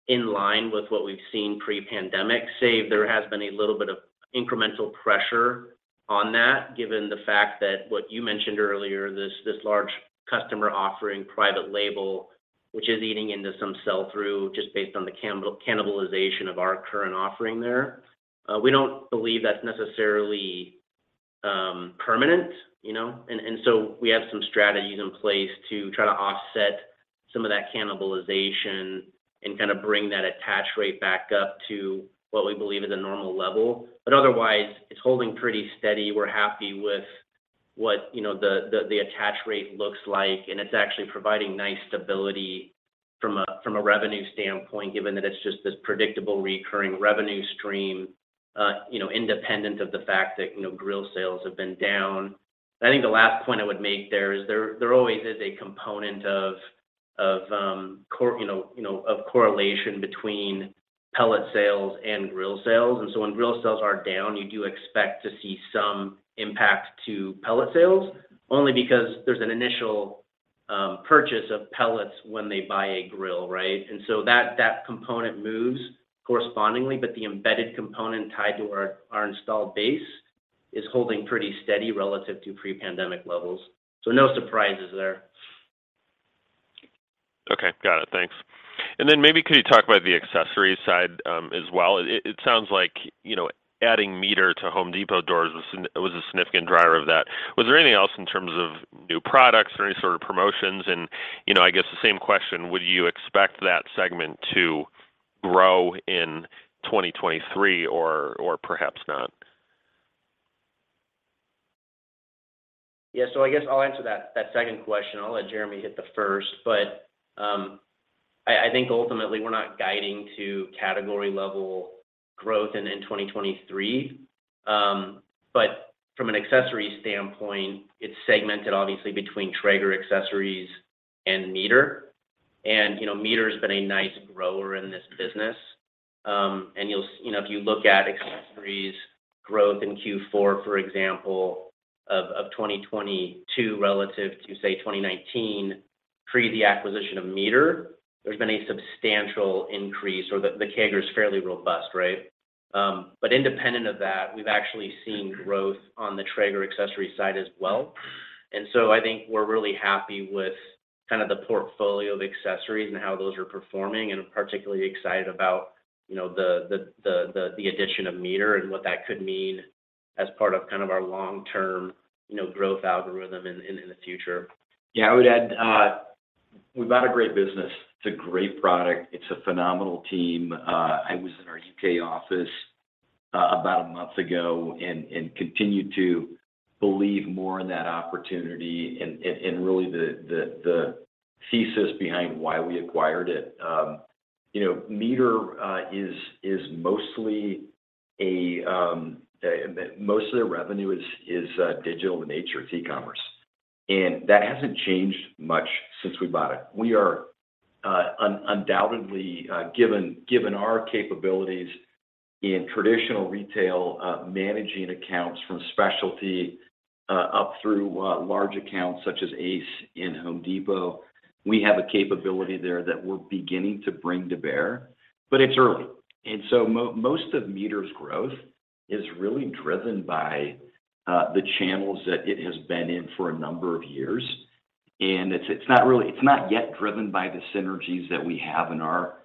in line with what we've seen pre-pandemic. Save there has been a little bit of incremental pressure on that, given the fact that what you mentioned earlier, this large customer offering private label, which is eating into some sell-through just based on the cannibalization of our current offering there. We don't believe that's necessarily, permanent, you know. We have some strategies in place to try to offset some of that cannibalization and kind of bring that attach rate back up to what we believe is a normal level. Otherwise, it's holding pretty steady. We're happy with what, you know, the, the attach rate looks like, and it's actually providing nice stability from a revenue standpoint, given that it's just this predictable recurring revenue stream, you know, independent of the fact that, you know, grill sales have been down. I think the last point I would make there is there always is a component of, you know, of correlation between pellet sales and grill sales. When grill sales are down, you do expect to see some impact to pellet sales, only because there's an initial purchase of pellets when they buy a grill, right? That, that component moves correspondingly, but the embedded component tied to our installed base is holding pretty steady relative to pre-pandemic levels. No surprises there. Okay. Got it. Thanks. Then maybe could you talk about the accessories side as well? It sounds like, you know, adding MEATER to Home Depot doors was a significant driver of that. Was there anything else in terms of new products or any sort of promotions? You know, I guess the same question, would you expect that segment to grow in 2023 or perhaps not? I guess I'll answer that second question. I'll let Jeremy hit the first. I think ultimately we're not guiding to category level growth in 2023. From an accessories standpoint, it's segmented obviously between Traeger accessories and MEATER. You know, MEATER's been a nice grower in this business. You know, if you look at accessories growth in Q4, for example, of 2022 relative to, say, 2019 pre the acquisition of MEATER, there's been a substantial increase or the CAGR is fairly robust, right? Independent of that, we've actually seen growth on the Traeger accessories side as well. I think we're really happy with kind of the portfolio of accessories and how those are performing, and particularly excited about, you know, the addition of MEATER and what that could mean as part of kind of our long-term, you know, growth algorithm in the future. Yeah. I would add, we bought a great business. It's a great product. It's a phenomenal team. I was in our U.K. office about a month ago and continue to believe more in that opportunity and really the thesis behind why we acquired it. You know, MEATER is mostly. Most of their revenue is digital in nature. It's e-commerce. That hasn't changed much since we bought it. We are undoubtedly, given our capabilities in traditional retail, managing accounts from specialty up through large accounts such as Ace and Home Depot, we have a capability there that we're beginning to bring to bear, but it's early. Most of MEATER's growth is really driven by the channels that it has been in for a number of years. It's not yet driven by the synergies that we have in our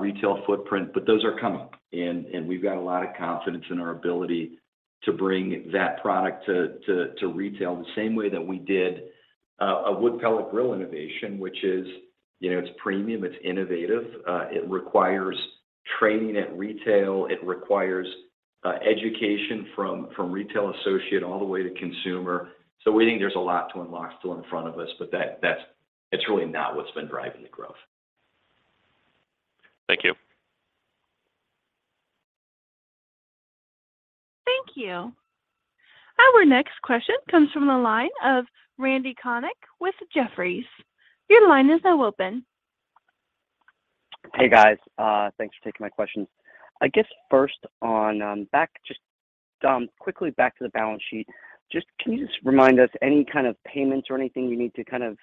retail footprint, but those are coming, and we've got a lot of confidence in our ability to bring that product to retail the same way that we did a wood pellet grill innovation, which is, you know, it's premium, it's innovative, it requires training at retail, it requires education from retail associate all the way to consumer. We think there's a lot to unlock still in front of us, but that's really not what's been driving the growth. Thank you. Thank you. Our next question comes from the line of Randy Konik with Jefferies. Your line is now open. Hey, guys. Thanks for taking my questions. I guess first on, back just quickly back to the balance sheet. Can you just remind us any kind of payments or anything you need to kind of,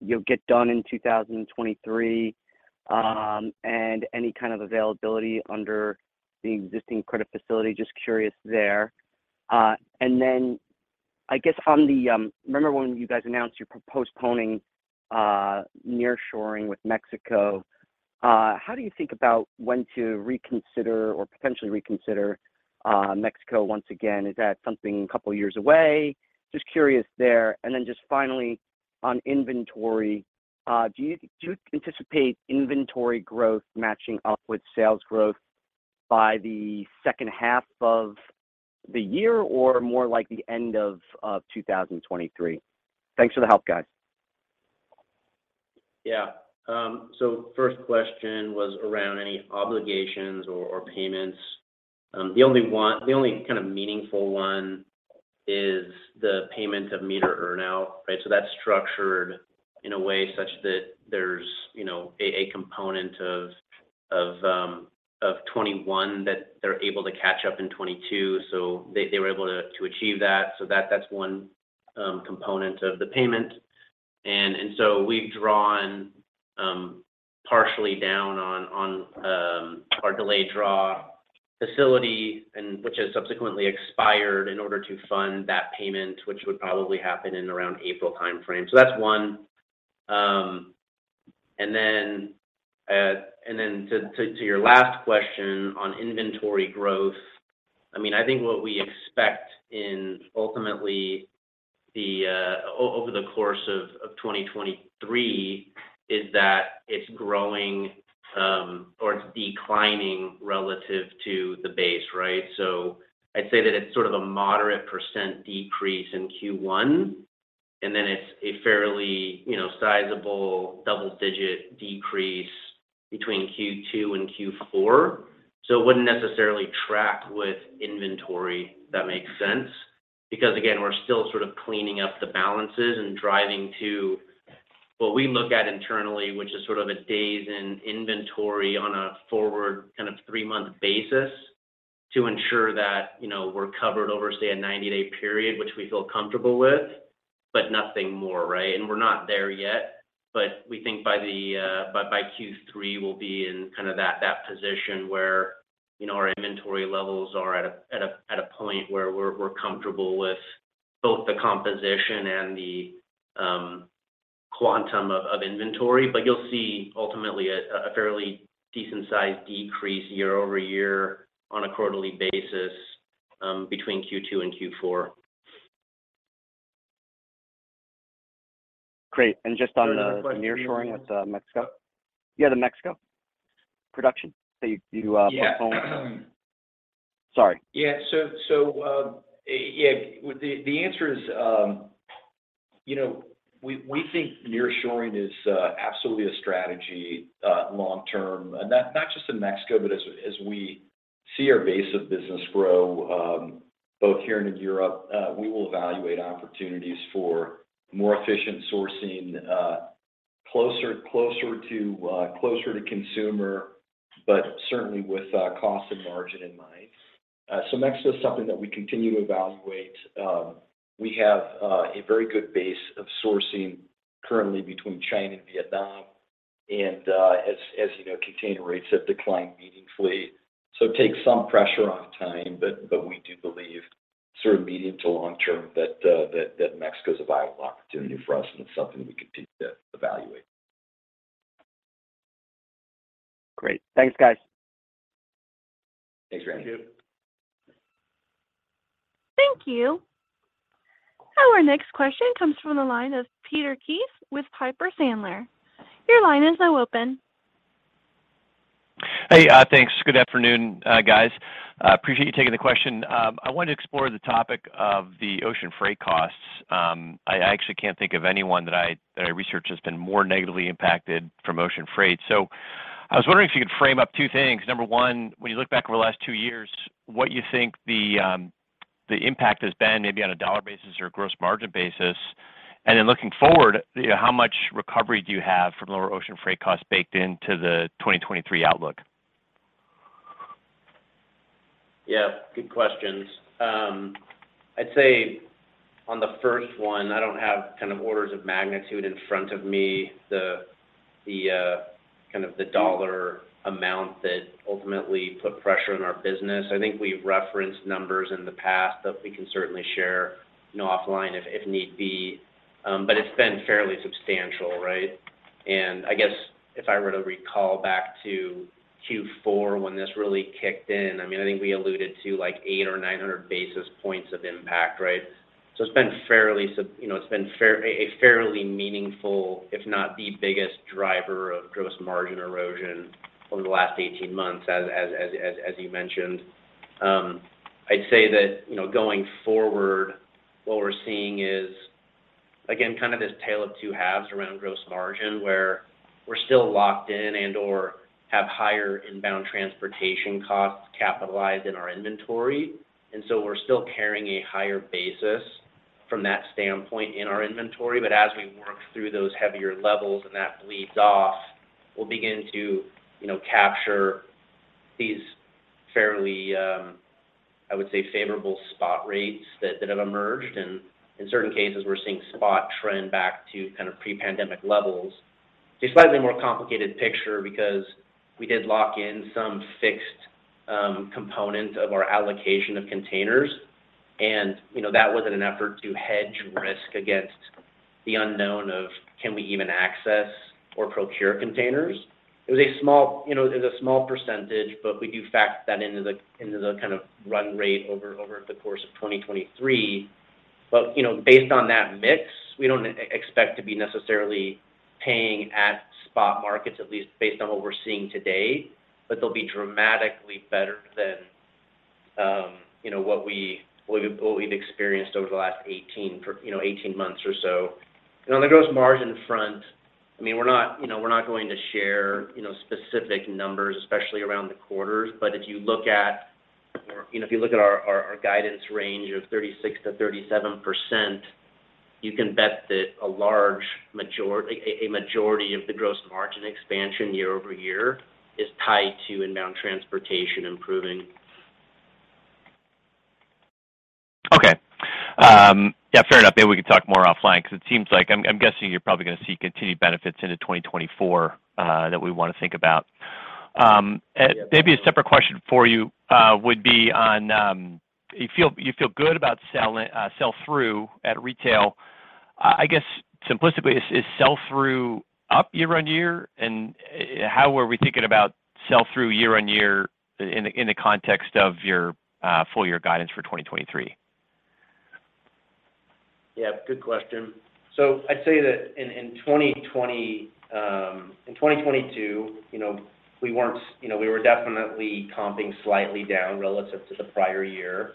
you know, get done in 2023, and any kind of availability under the existing credit facility? Just curious there. I guess on the, Remember when you guys announced you were postponing nearshoring with Mexico, how do you think about when to reconsider or potentially reconsider Mexico once again? Is that something a couple of years away? Just curious there. Just finally on inventory, do you anticipate inventory growth matching up with sales growth by the second half of the year or more like the end of 2023? Thanks for the help, guys. Yeah. First question was around any obligations or payments. The only kind of meaningful one is the payment of MEATER earn out, right? That's structured in a way such that there's, you know, a component of 21 that they're able to catch up in 22. They were able to achieve that. That's one component of the payment. We've drawn partially down on our delayed draw facility and which has subsequently expired in order to fund that payment, which would probably happen in around April timeframe. That's one. To your last question on inventory growth, I mean, I think what we expect in ultimately the... over the course of 2023 is that it's growing, or it's declining relative to the base, right? I'd say that it's sort of a moderate % decrease in Q1, and then it's a fairly, you know, sizable double-digit decrease between Q2 and Q4. It wouldn't necessarily track with inventory that makes sense because, again, we're still sort of cleaning up the balances and driving to what we look at internally, which is sort of a days in inventory on a forward kind of three-month basis to ensure that, you know, we're covered over, say, a 90-day period, which we feel comfortable with, but nothing more, right? We're not there yet, but we think by Q3, we'll be in kind of that position where, you know, our inventory levels are at a point where we're comfortable with both the composition and the quantum of inventory. You'll see ultimately a fairly decent size decrease year-over-year on a quarterly basis between Q2 and Q4. Great. Just on the nearshoring with Mexico. Yeah, the Mexico production. you Yeah. Sorry. The answer is, you know, we think nearshoring is absolutely a strategy long term. Not just in Mexico, but as we see our base of business grow, both here and in Europe, we will evaluate opportunities for more efficient sourcing, closer to consumer, but certainly with cost and margin in mind. Mexico is something that we continue to evaluate. We have a very good base of sourcing currently between China and Vietnam. As you know, container rates have declined meaningfully. So it takes some pressure off time, but we do believe sort of medium to long term that Mexico is a viable opportunity for us and it's something we continue to evaluate. Great. Thanks, guys. Thanks, Randy. Thank you. Thank you. Our next question comes from the line of Peter Keith with Piper Sandler. Your line is now open. Hey, thanks. Good afternoon, guys. Appreciate you taking the question. I wanted to explore the topic of the ocean freight costs. I actually can't think of anyone that I research has been more negatively impacted from ocean freight. I was wondering if you could frame up two things. Number one, when you look back over the last two years, what you think the impact has been maybe on a $ basis or a gross margin basis? Looking forward, how much recovery do you have from lower ocean freight costs baked into the 2023 outlook? Yeah, good questions. I'd say on the first one, I don't have kind of orders of magnitude in front of me the kind of the dollar amount that ultimately put pressure on our business. I think we've referenced numbers in the past that we can certainly share, you know, offline if need be. But it's been fairly substantial, right? I guess if I were to recall back to Q4 when this really kicked in, I mean, I think we alluded to like 800 or 900 basis points of impact, right? It's been a fairly meaningful, if not the biggest driver of gross margin erosion over the last 18 months, as you mentioned. I'd say that, you know, going forward, what we're seeing is, again, kind of this tale of two halves around gross margin, where we're still locked in and/or have higher inbound transportation costs capitalized in our inventory. We're still carrying a higher basis from that standpoint in our inventory. As we work through those heavier levels and that bleeds off, we'll begin to, you know, capture these fairly, I would say, favorable spot rates that have emerged. In certain cases, we're seeing spot trend back to kind of pre-pandemic levels. It's a slightly more complicated picture because we did lock in some fixed component of our allocation of containers. You know, that was in an effort to hedge risk against the unknown of can we even access or procure containers. It was a small, you know, it was a small percentage, but we do factor that into the kind of run rate over the course of 2023. You know, based on that mix, we don't expect to be necessarily paying at spot markets, at least based on what we're seeing today, but they'll be dramatically better than, you know, what we've experienced over the last 18 months or so. You know, on the gross margin front, I mean, we're not, you know, we're not going to share, you know, specific numbers, especially around the quarters. If you look at, you know, if you look at our guidance range of 36%-37%, you can bet that a majority of the gross margin expansion year-over-year is tied to inbound transportation improving. Okay. Yeah, fair enough. Maybe we can talk more offline because it seems like I'm guessing you're probably gonna see continued benefits into 2024 that we wanna think about. Maybe a separate question for you would be on you feel good about selling sell-through at retail. I guess simplistically, is sell-through up year-on-year? How are we thinking about sell-through year-on-year in the context of your full year guidance for 2023? Yeah, good question. I'd say that in 2020, in 2022, you know, we weren't, you know, we were definitely comping slightly down relative to the prior year.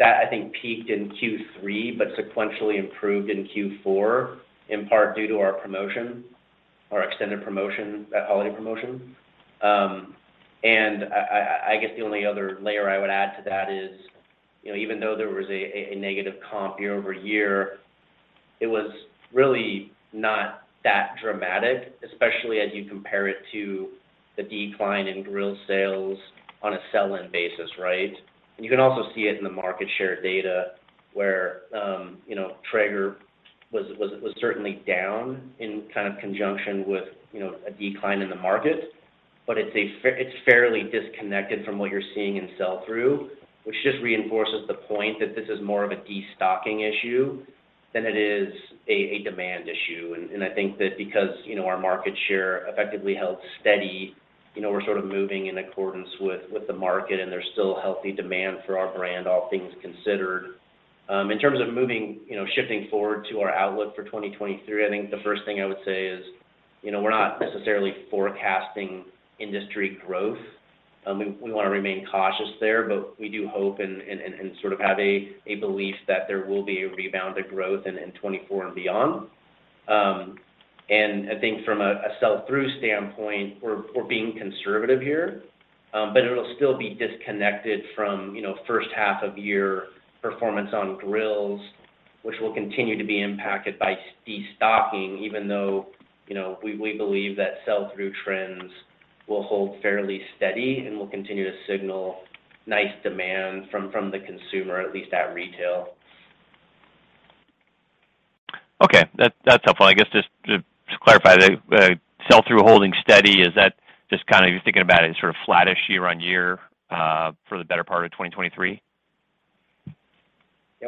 That I think peaked in Q3, but sequentially improved in Q4, in part due to our promotion, our extended promotion, that holiday promotion. I guess the only other layer I would add to that is, you know, even though there was a negative comp year-over-year, it was really not that dramatic, especially as you compare it to the decline in grill sales on a sell-in basis, right? You can also see it in the market share data where, you know, Traeger was certainly down in kind of conjunction with, you know, a decline in the market. It's fairly disconnected from what you're seeing in sell-through, which just reinforces the point that this is more of a destocking issue than it is a demand issue. I think that because, you know, our market share effectively held steady, you know, we're sort of moving in accordance with the market, and there's still healthy demand for our brand, all things considered. In terms of moving, you know, shifting forward to our outlook for 2023, I think the first thing I would say is, you know, we're not necessarily forecasting industry growth. We wanna remain cautious there, but we do hope and sort of have a belief that there will be a rebound to growth in 2024 and beyond. I think from a sell-through standpoint, we're being conservative here. It'll still be disconnected from, you know, first half of year performance on grills, which will continue to be impacted by destocking, even though, you know, we believe that sell-through trends will hold fairly steady and will continue to signal nice demand from the consumer, at least at retail. Okay. That's helpful. I guess just to clarify, the sell-through holding steady, is that just kind of you're thinking about it sort of flattish year-over-year, for the better part of 2023? Yeah.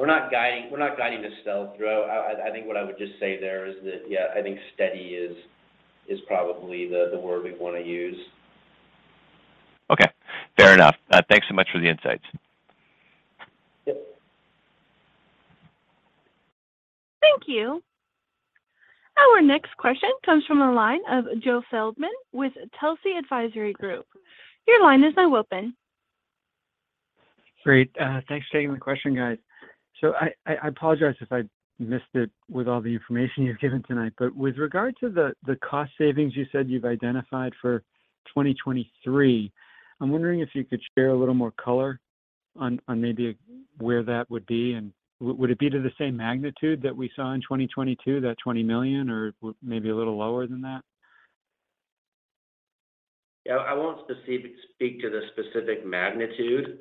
We're not guiding to sell-through. I think what I would just say there is that, yeah, I think steady is probably the word we'd wanna use. Okay. Fair enough. Thanks so much for the insights. Yep. Thank you. Our next question comes from the line of Joe Feldman with Telsey Advisory Group. Your line is now open. Great. Thanks for taking the question, guys. I apologize if I missed it with all the information you've given tonight, but with regard to the cost savings you said you've identified for 2023, I'm wondering if you could share a little more color on maybe where that would be, and would it be to the same magnitude that we saw in 2022, that $20 million, or maybe a little lower than that? Yeah. I won't speak to the specific magnitude,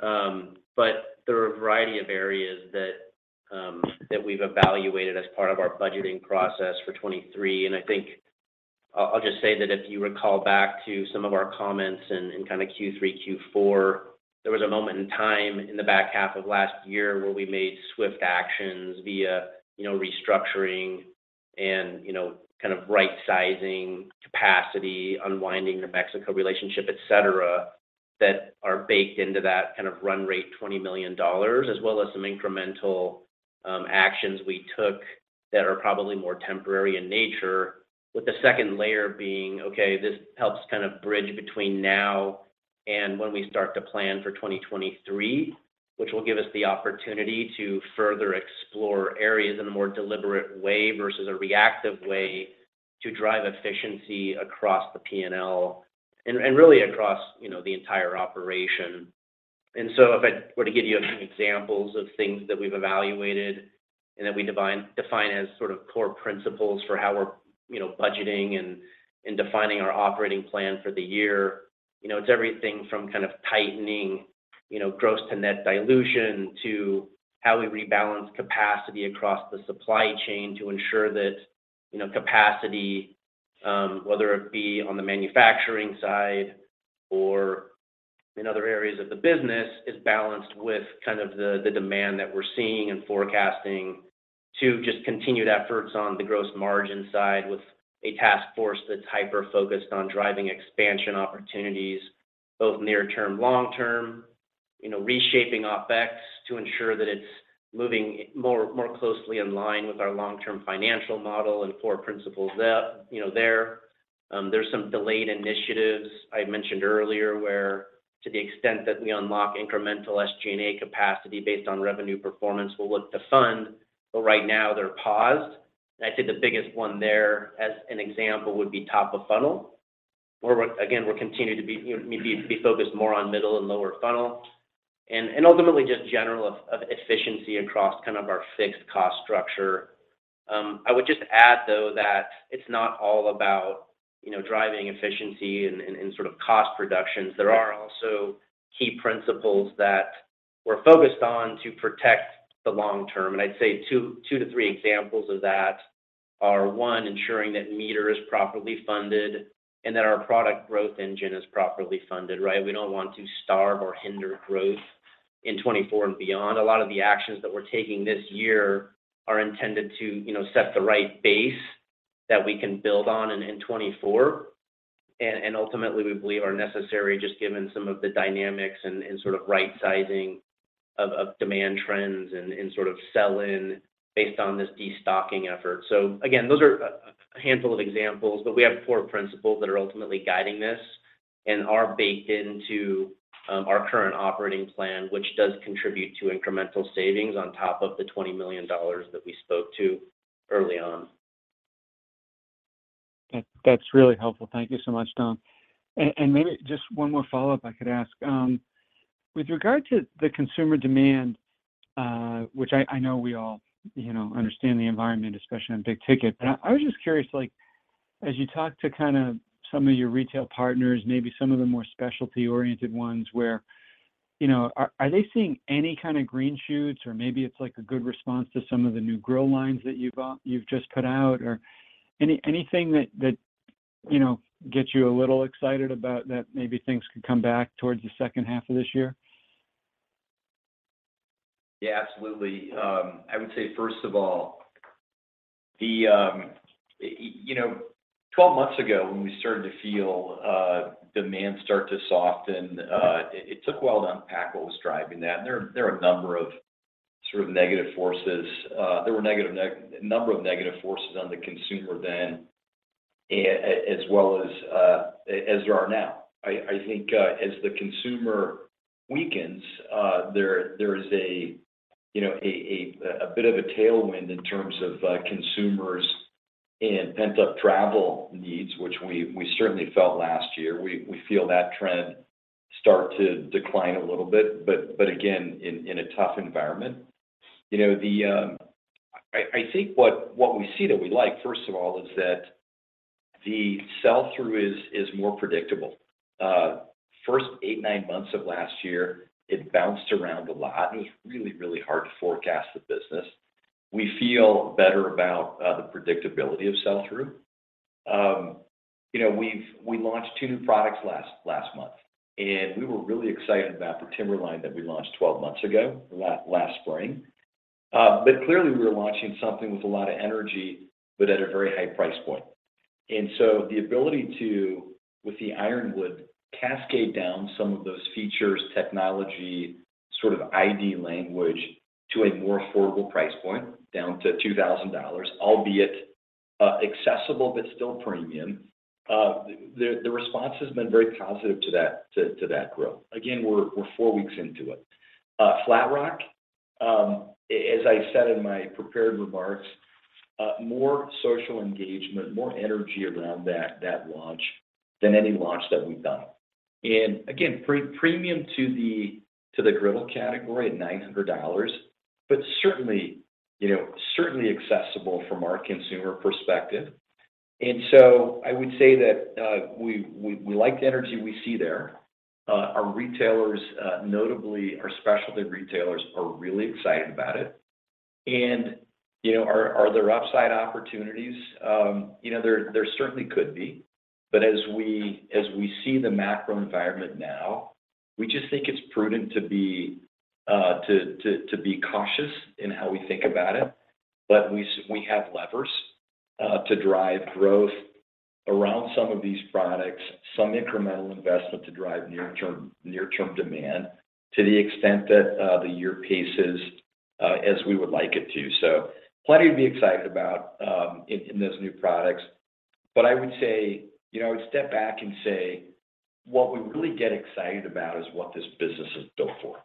but there are a variety of areas that we've evaluated as part of our budgeting process for 2023. I think I'll just say that if you recall back to some of our comments in kind of Q3, Q4, there was a moment in time in the back half of last year where we made swift actions via, you know, restructuring and, you know, kind of rightsizing capacity, unwinding the Mexico relationship, et cetera, that are baked into that kind of run rate $20 million, as well as some incremental actions we took that are probably more temporary in nature. With the second layer being, okay, this helps kind of bridge between now and when we start to plan for 2023, which will give us the opportunity to further explore areas in a more deliberate way versus a reactive way to drive efficiency across the P&L and really across, you know, the entire operation. If I were to give you some examples of things that we've evaluated and that we define as sort of core principles for how we're, you know, budgeting and defining our operating plan for the year, you know, it's everything from kind of tightening, you know, gross to net dilution to how we rebalance capacity across the supply chain to ensure that, you know, capacity, whether it be on the manufacturing side or in other areas of the business, is balanced with kind of the demand that we're seeing and forecasting to just continued efforts on the gross margin side with a task force that's hyper-focused on driving expansion opportunities, both near term, long term, you know, reshaping OpEx to ensure that it's moving more closely in line with our long-term financial model and core principles, you know, there. There's some delayed initiatives I mentioned earlier where to the extent that we unlock incremental SG&A capacity based on revenue performance, we'll look to fund. Right now they're paused. I'd say the biggest one there as an example would be top of funnel, where we're again continuing to be, you know, focused more on middle and lower funnel and ultimately just general of efficiency across kind of our fixed cost structure. I would just add though that it's not all about, you know, driving efficiency and sort of cost reductions. There are also key principles that we're focused on to protect the long term. I'd say 2 to 3 examples of that are, one, ensuring that MEATER is properly funded and that our product growth engine is properly funded, right? We don't want to starve or hinder growth in 2024 and beyond. A lot of the actions that we're taking this year are intended to, you know, set the right base that we can build on in 2024, and ultimately we believe are necessary just given some of the dynamics and sort of right sizing of demand trends and sort of sell-in based on this destocking effort. Again, those are a handful of examples, but we have four principles that are ultimately guiding this and are baked into our current operating plan, which does contribute to incremental savings on top of the $20 million that we spoke to early on. Okay. That's really helpful. Thank you so much, Dom. And maybe just one more follow-up I could ask. With regard to the consumer demand, which I know we all, you know, understand the environment, especially on big ticket, but I was just curious, like, as you talk to kind of some of your retail partners, maybe some of the more specialty-oriented ones where you know, are they seeing any kind of green shoots or maybe it's like a good response to some of the new grill lines that you've just put out or anything that, you know, gets you a little excited about that maybe things could come back towards the second half of this year? Yeah, absolutely. I would say, first of all, the, you know, 12 months ago when we started to feel demand start to soften, it took a while to unpack what was driving that. There are a number of sort of negative forces. There were a number of negative forces on the consumer then as well as as there are now. I think, as the consumer weakens, there is a, you know, a bit of a tailwind in terms of consumers and pent-up travel needs, which we certainly felt last year. We feel that trend start to decline a little bit, but again, in a tough environment. You know, the... I think what we see that we like, first of all, is more predictable. First eight, nine months of last year, it bounced around a lot. It's really, really hard to forecast the business. We feel better about the predictability of sell-through. You know, we launched two new products last month. We were really excited about the Timberline that we launched 12 months ago last spring. Clearly, we were launching something with a lot of energy but at a very high price point. So the ability to, with the Ironwood, cascade down some of those features, technology, sort of ID language to a more affordable price point, down to $2,000, albeit accessible but still premium. The response has been very positive to that, to that grill. Again, we're four weeks into it. Flatrock, as I said in my prepared remarks, more social engagement, more energy around that launch than any launch that we've done. Again, pre-premium to the griddle category at $900, but certainly, you know, certainly accessible from our consumer perspective. I would say that we like the energy we see there. Our retailers, notably our specialty retailers are really excited about it. You know, are there upside opportunities? You know, there certainly could be. As we see the macro environment now, we just think it's prudent to be cautious in how we think about it. We have levers to drive growth around some of these products, some incremental investment to drive near-term demand to the extent that the year paces as we would like it to. Plenty to be excited about in those new products. I would say, you know, I would step back and say, what we really get excited about is what this business is built for.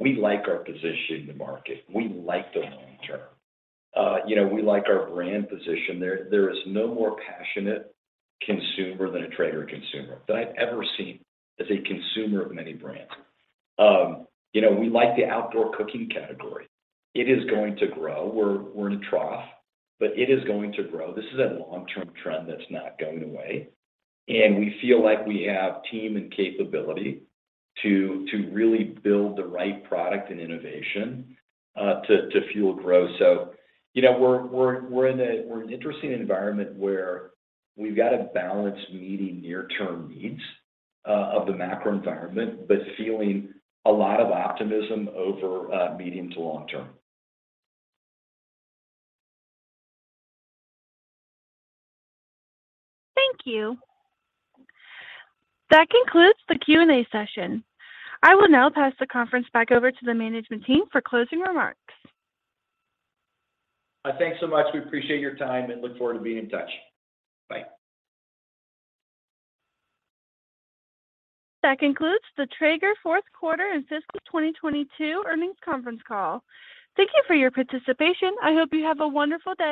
We like our position in the market. We like the long term. You know, we like our brand position. There is no more passionate consumer than a Traeger consumer that I've ever seen as a consumer of many brands. You know, we like the outdoor cooking category. It is going to grow. We're in a trough, but it is going to grow. This is a long-term trend that's not going away. We feel like we have team and capability to really build the right product and innovation to fuel growth. You know, we're in an interesting environment where we've got to balance meeting near-term needs of the macro environment, but feeling a lot of optimism over medium to long term. Thank you. That concludes the Q&A session. I will now pass the conference back over to the management team for closing remarks. Thanks so much. We appreciate your time and look forward to being in touch. Bye. That concludes the Traeger Fourth Quarter and Fiscal 2022 Earnings Conference Call. Thank you for your participation. I hope you have a wonderful day.